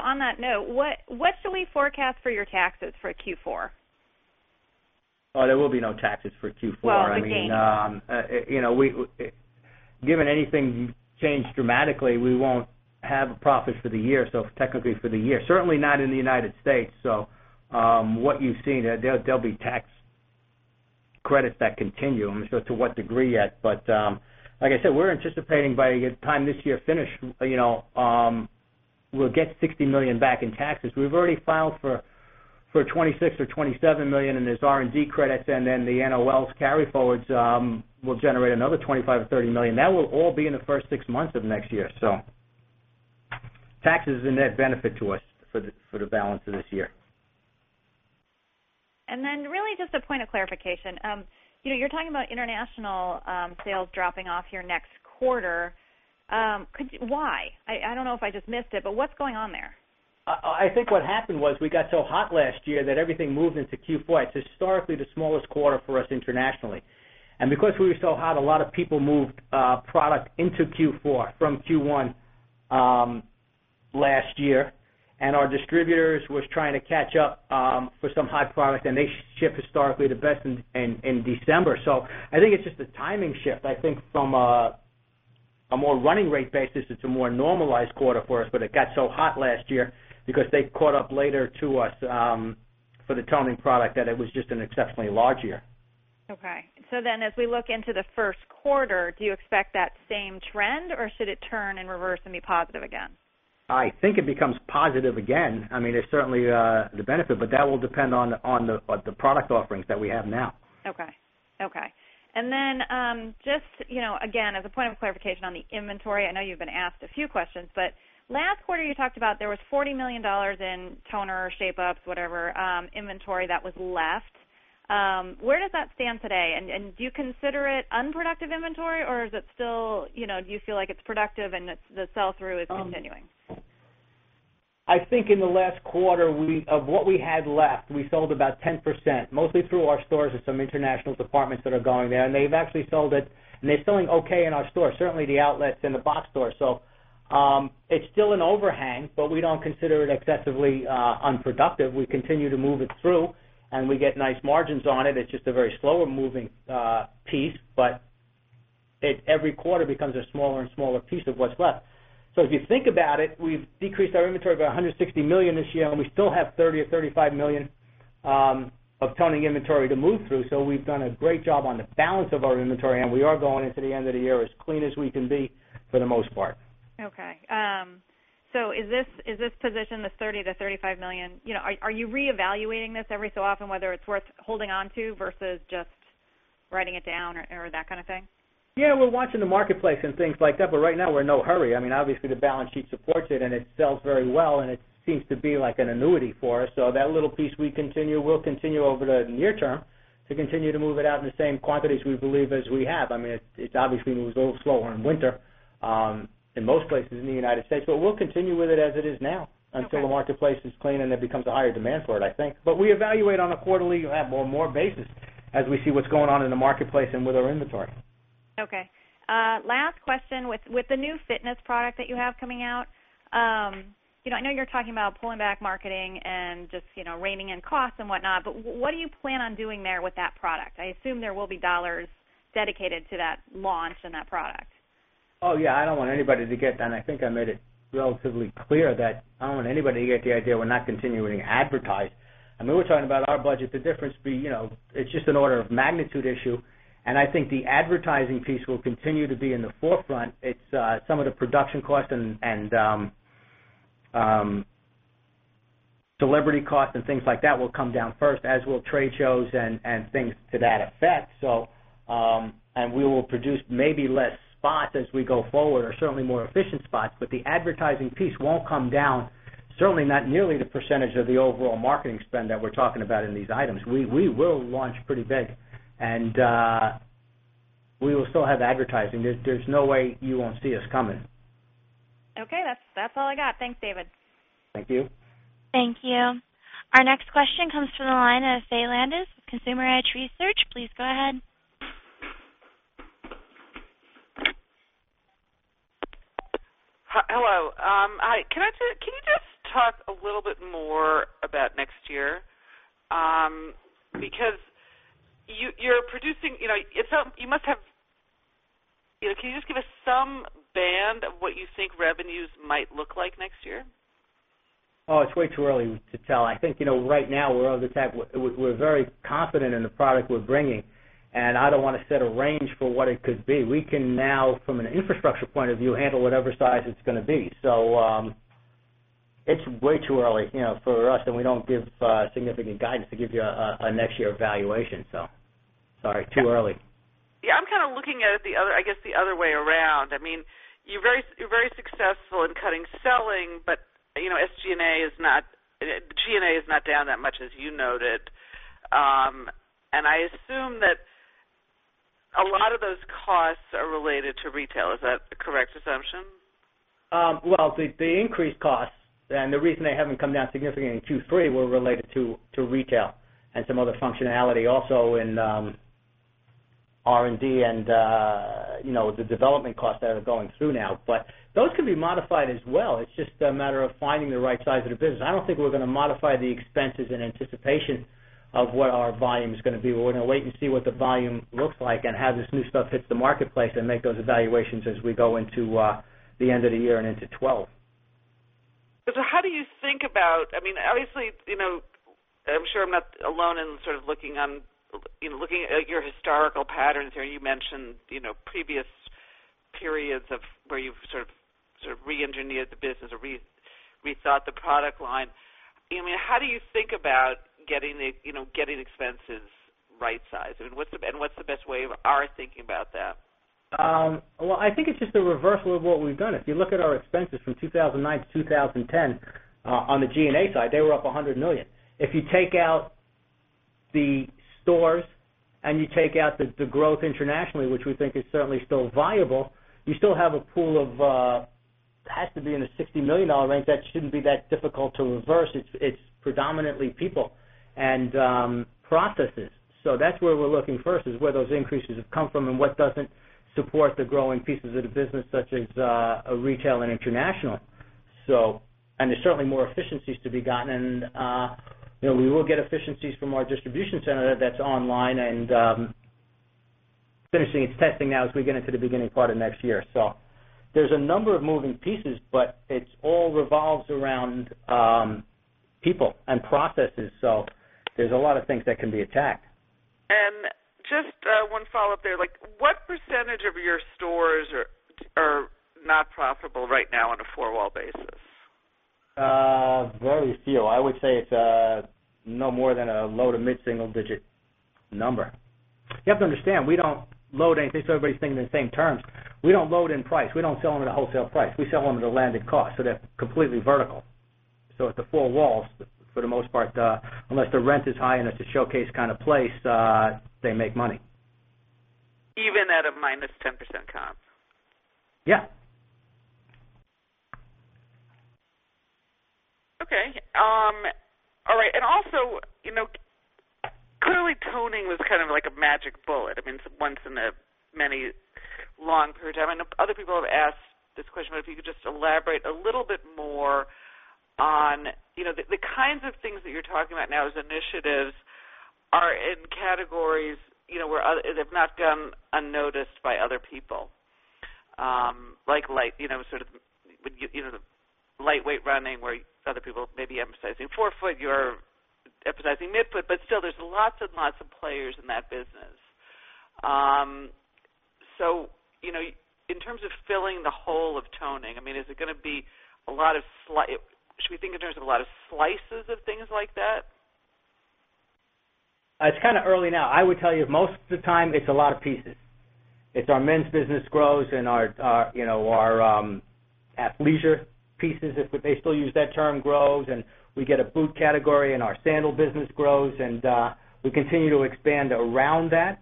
On that note, what should we forecast for your taxes for Q4? Oh, there will be no taxes for Q4. I mean, given anything changed dramatically, we won't have a profit for the year. Technically for the year, certainly not in the United States. What you've seen, there'll be tax credits that continue. I'm not sure to what degree yet, but like I said, we're anticipating by the time this year finishes, we'll get $60 million back in taxes. We've already filed for $26 or $27 million, and there's R&D credits, and then the NOLs, carry forwards will generate another $25 or $30 million. That will all be in the first six months of next year. Taxes are a net benefit to us for the balance of this year. Just a point of clarification. You're talking about international sales dropping off your next quarter. Why? I don't know if I just missed it, but what's going on there? I think what happened was we got so hot last year that everything moved into Q4. It's historically the smallest quarter for us internationally, and because we were so hot, a lot of people moved product into Q4 from Q1 last year. Our distributors were trying to catch up for some hot product, and they ship historically the best in December. I think it's just a timing shift. I think from a more running rate basis, it's a more normalized quarter for us, but it got so hot last year because they caught up later to us for the toning product that it was just an exceptionally large year. Okay. As we look into the first quarter, do you expect that same trend or should it turn in reverse and be positive again? I think it becomes positive again. I mean, there's certainly the benefit, but that will depend on the product offerings that we have now. Okay. Okay. Just, you know, again, as a point of clarification on the inventory, I know you've been asked a few questions, but last quarter you talked about there was $40 million in Toners, Shape-ups, whatever inventory that was left. Where does that stand today? Do you consider it unproductive inventory or is it still, you know, do you feel like it's productive and the sell-through is continuing? I think in the last quarter of what we had left, we sold about 10%, mostly through our stores and some international departments that are going there. They've actually sold it, and they're selling okay in our stores, certainly the outlets and the box stores. It's still an overhang, but we don't consider it excessively unproductive. We continue to move it through, and we get nice margins on it. It's just a very slower moving piece, but every quarter becomes a smaller and smaller piece of what's left. If you think about it, we've decreased our inventory by $160 million this year, and we still have $30 million-$35 million of toning inventory to move through. We've done a great job on the balance of our inventory, and we are going into the end of the year as clean as we can be for the most part. Okay. Is this position, the $30 million-$35 million, are you reevaluating this every so often, whether it's worth holding on to versus just writing it down or that kind of thing? Yeah, we're watching the marketplace and things like that, but right now we're in no hurry. I mean, obviously the balance sheet supports it, and it sells very well, and it seems to be like an annuity for us. That little piece we continue, we'll continue over the near term to continue to move it out in the same quantities we believe as we have. I mean, it obviously moves a little slower in winter in most places in the United States, but we'll continue with it as it is now until the marketplace is clean and there becomes a higher demand for it, I think. We evaluate on a quarterly or more basis as we see what's going on in the marketplace and with our inventory. Okay. Last question, with the new fitness product that you have coming out, I know you're talking about pulling back marketing and just reining in costs and whatnot, but what do you plan on doing there with that product? I assume there will be dollars dedicated to that launch and that product. Oh, yeah. I don't want anybody to get that, and I think I made it relatively clear that I don't want anybody to get the idea we're not continuing to advertise. I mean, we're talking about our budget. The difference would be, you know, it's just an order of magnitude issue. I think the advertising piece will continue to be in the forefront. It's some of the production costs and celebrity costs and things like that will come down first, as will trade shows and things to that effect. We will produce maybe fewer spots as we go forward, or certainly more efficient spots, but the advertising piece won't come down, certainly not nearly the percentage of the overall marketing spend that we're talking about in these items. We will launch pretty big, and we will still have advertising. There's no way you won't see us coming. Okay, that's all I got. Thanks, David. Thank you. Thank you. Our next question comes from the line of Faye Landes with Consumer Edge Research. Please go ahead. Hello. Can you just talk a little bit more about next year? Because you're producing, you know, can you just give us some band of what you think revenues might look like next year? Oh, it's way too early to tell. I think, you know, right now we're of the type, we're very confident in the product we're bringing, and I don't want to set a range for what it could be. We can now, from an infrastructure point of view, handle whatever size it's going to be. It's way too early, you know, for us, and we don't give significant guidance to give you a next year evaluation. Sorry, too early. Yeah, I'm kind of looking at it the other way around. I mean, you're very successful in cutting selling, but you know, SG&A is not, G&A is not down that much as you noted. I assume that a lot of those costs are related to retail. Is that a correct assumption? The increased costs and the reason they haven't come down significantly in Q3 were related to retail and some other functionality also in R&D and the development costs that are going through now. Those can be modified as well. It's just a matter of finding the right size of the business. I don't think we're going to modify the expenses in anticipation of what our volume is going to be. We're going to wait and see what the volume looks like and have this new stuff hit the marketplace and make those evaluations as we go into the end of the year and into 2012. How do you think about, I mean, obviously, you know, I'm sure I'm not alone in sort of looking at your historical patterns here. You mentioned previous periods where you've sort of re-engineered the business or rethought the product line. I mean, how do you think about getting the, you know, getting expenses right size? What's the best way of our thinking about that? I think it's just the reversal of what we've done. If you look at our expenses from 2009 to 2010, on the G&A side, they were up $100 million. If you take out the stores and you take out the growth internationally, which we think is certainly still viable, you still have a pool of, it has to be in a $60 million range. That shouldn't be that difficult to reverse. It's predominantly people and processes. That's where we're looking first, where those increases have come from and what doesn't support the growing pieces of the business such as retail and international. There are certainly more efficiencies to be gotten. We will get efficiencies from our distribution center that's online and finishing its testing now as we get into the beginning part of next year. There are a number of moving pieces, but it all revolves around people and processes. There are a lot of things that can be attacked. What percentage of your stores are not profitable right now on a four-wall basis? Very few. I would say it's no more than a low to mid-single digit number. You have to understand, we don't load anything, so everybody's thinking in the same terms. We don't load in price. We don't sell them at a wholesale price. We sell them at a landed cost. That's completely vertical. It's the four walls for the most part, unless the rent is high and it's a showcase kind of place, they make money. Even at a -10% comp? Yeah. All right. Clearly, toning was kind of like a magic bullet, I mean, once in a many long period of time. I know other people have asked this question, but if you could just elaborate a little bit more on the kinds of things that you're talking about now as initiatives or in categories where they've not gone unnoticed by other people. Like, you know, sort of the lightweight running where other people may be emphasizing forefoot, you're emphasizing midfoot, but still there's lots and lots of players in that business. In terms of filling the hole of toning, is it going to be a lot of, should we think in terms of a lot of slices of things like that? It's kind of early now. I would tell you most of the time it's a lot of pieces. It's our men's business grows and our, you know, our at-leisure pieces, if they still use that term, grows, and we get a boot category and our sandal business grows, and we continue to expand around that.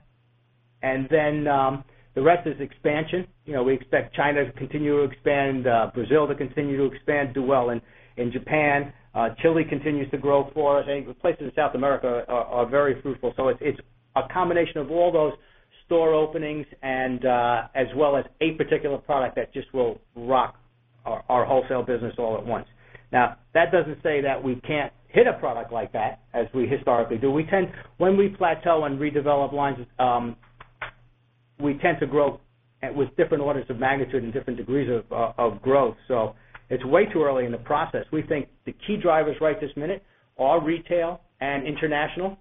The rest is expansion. We expect China to continue to expand, Brazil to continue to expand, do well in Japan. Chile continues to grow for us. I think the places in South America are very fruitful. It's a combination of all those store openings as well as a particular product that just will rock our wholesale business all at once. That doesn't say that we can't hit a product like that as we historically do. We tend, when we plateau and redevelop lines, we tend to grow with different orders of magnitude and different degrees of growth. It's way too early in the process. We think the key drivers right this minute are retail and international,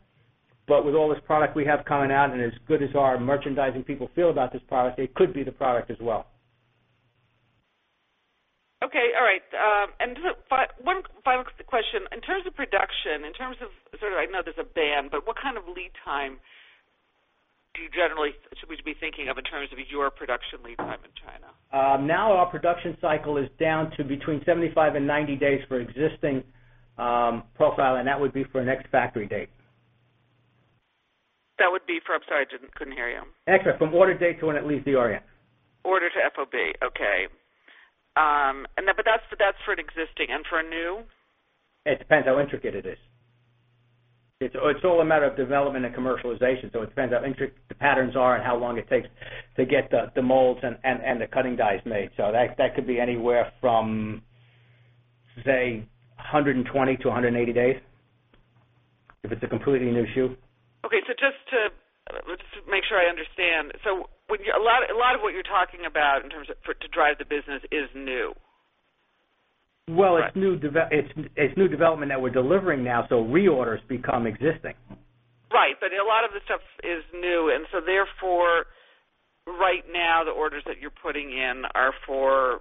but with all this product we have coming out and as good as our merchandising people feel about this product, it could be the product as well. All right. One final question. In terms of production, I know there's a band, but what kind of lead time should we be thinking of in terms of your production lead time in China? Now our production cycle is down to between 75 and 90 days for existing profile, and that would be for an ex-factory date. That would be for—I'm sorry, I couldn't hear you. Ex-factory from order date to when it leaves the REI. Order to FOB. Okay, that's for an existing and for a new? It depends how intricate it is. It's all a matter of development and commercialization. It depends how intricate the patterns are and how long it takes to get the molds and the cutting dies made. That could be anywhere from, say, 120-180 days if it's a completely new shoe. Okay. Just to make sure I understand, when you're—a lot of what you're talking about in terms of to drive the business is new. It is new development that we're delivering now, so reorders become existing. Right. A lot of the stuff is new. Therefore, right now, the orders that you're putting in are for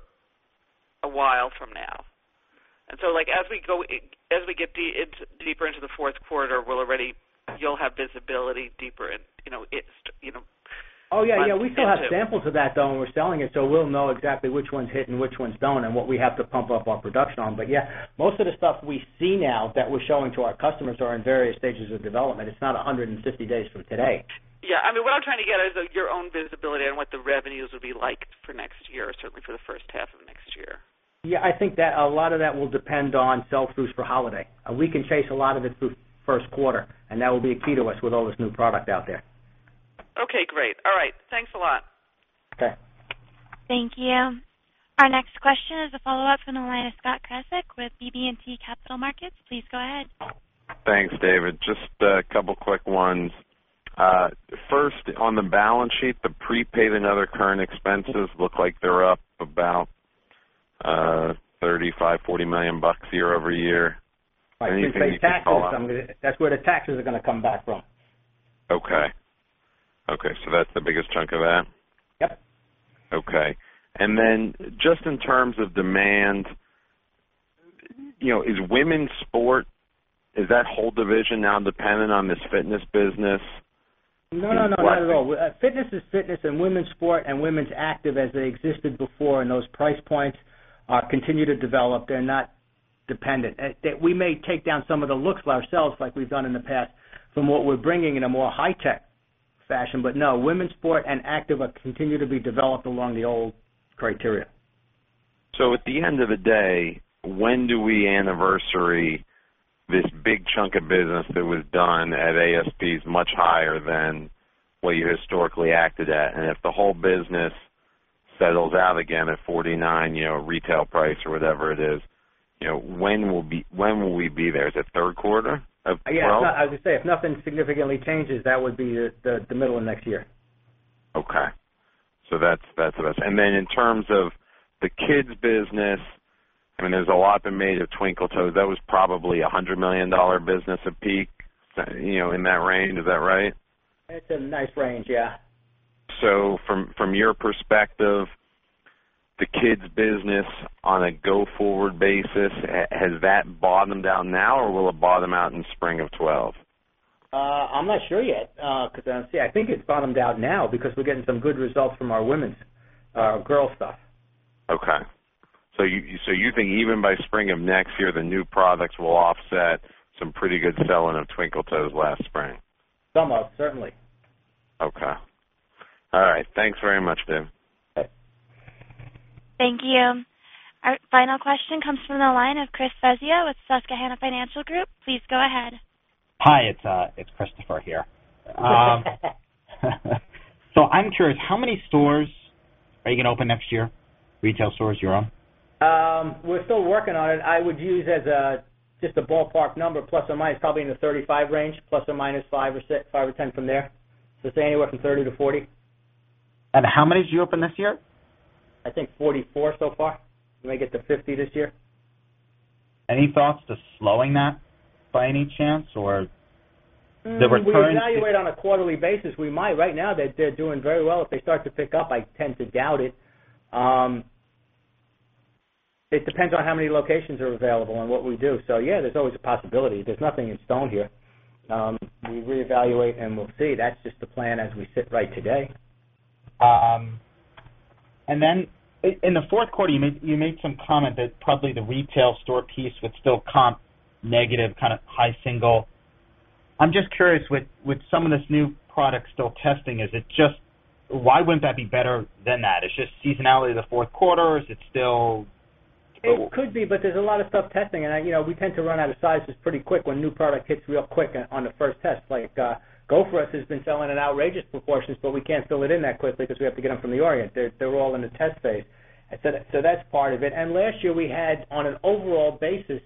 a while from now. As we go, as we get deeper into the fourth quarter, you'll have visibility deeper in, you know. Yeah, we still have samples of that though, and we're selling it. We will know exactly which ones hit and which ones do not and what we have to pump up our production on. Most of the stuff we see now that we're showing to our customers are in various stages of development. It's not 150 days from today. Yeah, I mean, what I'm trying to get is your own visibility on what the revenues will be like for next year, certainly for the first half of next year. Yeah, I think that a lot of that will depend on sell-throughs for holiday. We can chase a lot of it through the first quarter, and that will be a key to us with all this new product out there. Okay, great. All right. Thanks a lot. Thanks. Thank you. Our next question is a follow-up from the line of Scott Krasik with BB&T Capital Markets. Please go ahead. Thanks, David. Just a couple of quick ones. First, on the balance sheet, the prepaid and other current expenses look like they're up about $35 million, $40 million year-over-year. I think that's where the taxes are going to come back from. Okay. That's the biggest chunk of that? Yep. Okay. Just in terms of demand, you know, is women's sport, is that whole division now dependent on this fitness business? No, not at all. Fitness is fitness, and women's sport and women's active as they existed before in those price points continue to develop. They're not dependent. We may take down some of the looks ourselves like we've done in the past from what we're bringing in a more high-tech fashion. No, women's sport and active continue to be developed along the old criteria. At the end of the day, when do we anniversary this big chunk of business that was done at ASP is much higher than what you historically acted at? If the whole business settles out again at $49 retail price or whatever it is, when will we be there? Is it third quarter of 2012? Yeah, I was going to say, if nothing significantly changes, that would be the middle of next year. Okay, that's about, and then in terms of the kids' business, I mean, there's a lot been made of Twinkle Toes. That was probably a $100 million business at peak, you know, in that range. Is that right? It's a nice range, yeah. From your perspective, the kids' business on a go-forward basis, has that bottomed out now or will it bottom out in the spring of 2012? I'm not sure yet, because I don't see. I think it's bottomed out now because we're getting some good results from our women's girl stuff. Okay. You think even by spring of next year, the new products will offset some pretty good development of Twinkle Toes last spring? Some of, certainly. Okay. All right. Thanks very much, David. Thanks. Thank you. All right. Final question comes from the line of Chris Svezia with Susquehanna Financial Group. Please go ahead. Hi, it's Christopher here. I'm curious, how many stores are you going to open next year? Retail stores you're on? We're still working on it. I would use as just a ballpark number, plus or minus, probably in the 35 range, ±5 or ±10 from there. It's anywhere from 30-40. How many did you open this year? I think 44 so far. We may get to 50 this year. Any thoughts to slowing that by any chance or the returns? If we evaluate on a quarterly basis, we might. Right now, they're doing very well. If they start to pick up, I tend to doubt it. It depends on how many locations are available and what we do. Yeah, there's always a possibility. There's nothing in stone here. We reevaluate and we'll see. That's just the plan as we sit right today. In the fourth quarter, you made some comment that probably the retail store piece would still comp negative, kind of high single. I'm just curious with some of this new product still testing, is it just, why wouldn't that be better than that? Is it just seasonality of the fourth quarter? Is it still? It could be, but there's a lot of stuff testing. We tend to run out of sizes pretty quick when new product hits real quick on the first test. Like performance footwear line has been selling in outrageous proportions, but we can't fill it in that quickly because we have to get them from the ORIENT. They're all in the test phase. That's part of it. Last year, on an overall basis,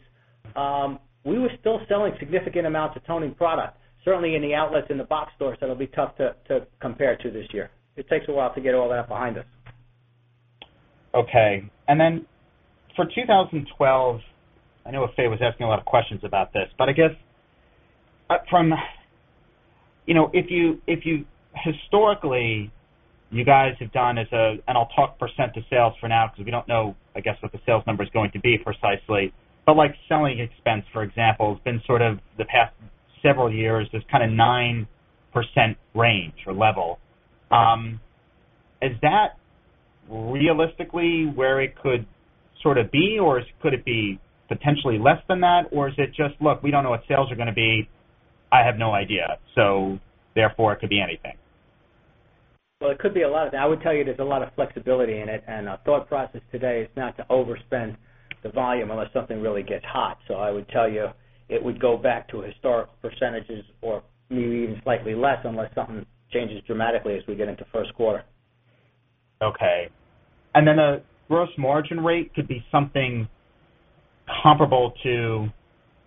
we were still selling significant amounts of toning product. Certainly in the outlets and the box stores, that'll be tough to compare to this year. It takes a while to get all that behind us. Okay. For 2012, I know Faye was asking a lot of questions about this, but I guess if you historically, you guys have done as a, and I'll talk percent of sales for now because we don't know, I guess, what the sales number is going to be precisely. Selling expense, for example, has been sort of the past several years, this kind of 9% range or level. Is that realistically where it could sort of be, or could it be potentially less than that, or is it just, look, we don't know what sales are going to be, I have no idea. Therefore, it could be anything. There is a lot of flexibility in it, and our thought process today is not to overspend the volume unless something really gets hot. I would tell you it would go back to historical percentages or maybe even slightly less unless something changes dramatically as we get into the first quarter. Okay. A gross margin rate could be something comparable to,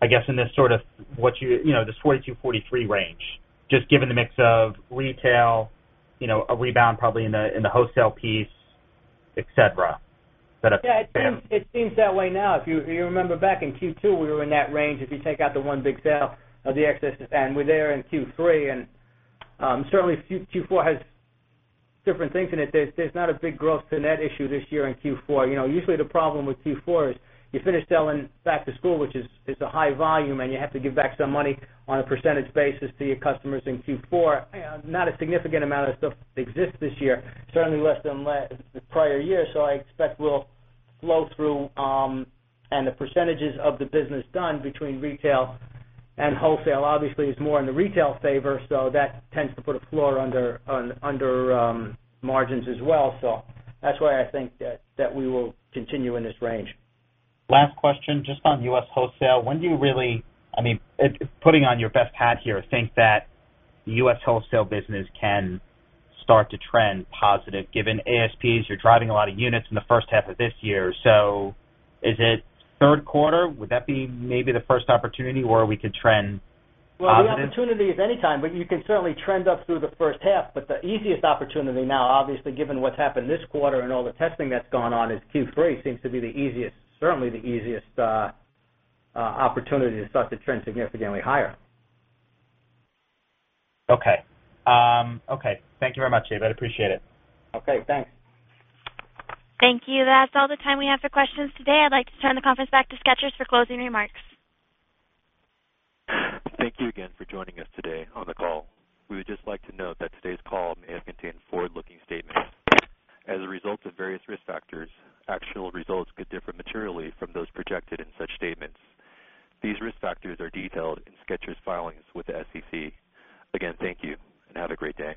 I guess, in this sort of, you know, this 42%-43% range, just given the mix of retail, a rebound probably in the wholesale piece, etc. Yeah, it seems that way now. If you remember back in Q2, we were in that range. If you take out the one big sale of the excess and we're there in Q3, and certainly Q4 has different things in it. There's not a big growth to net issue this year in Q4. Usually the problem with Q4 is you finish selling back to school, which is a high volume, and you have to give back some money on a percentage basis to your customers in Q4. Not a significant amount of stuff exists this year, certainly less than the prior year. I expect we'll flow through, and the percentage of the business done between retail and wholesale obviously is more in the retail favor. That tends to put a floor under margins as well. That's why I think that we will continue in this range. Last question, just on U.S. wholesale. When do you really, I mean, putting on your best hat here, think that the U.S. wholesale business can start to trend positive given ASPs? You're driving a lot of units in the first half of this year. Is it third quarter? Would that be maybe the first opportunity where we could trend? The opportunity is anytime, but you can certainly trend up through the first half. The easiest opportunity now, obviously given what's happened this quarter and all the testing that's gone on, is Q3 seems to be the easiest, certainly the easiest, opportunity to start to trend significantly higher. Okay. Thank you very much, David. I appreciate it. Okay. Thanks. Thank you. That's all the time we have for questions today. I'd like to turn the conference back to Skechers for closing remarks. Thank you again for joining us today on the call. We would just like to note that today's call may have contained forward-looking statements. As a result of various risk factors, actual results could differ materially from those projected in such statements. These risk factors are detailed in Skechers filings with the SEC. Again, thank you and have a great day.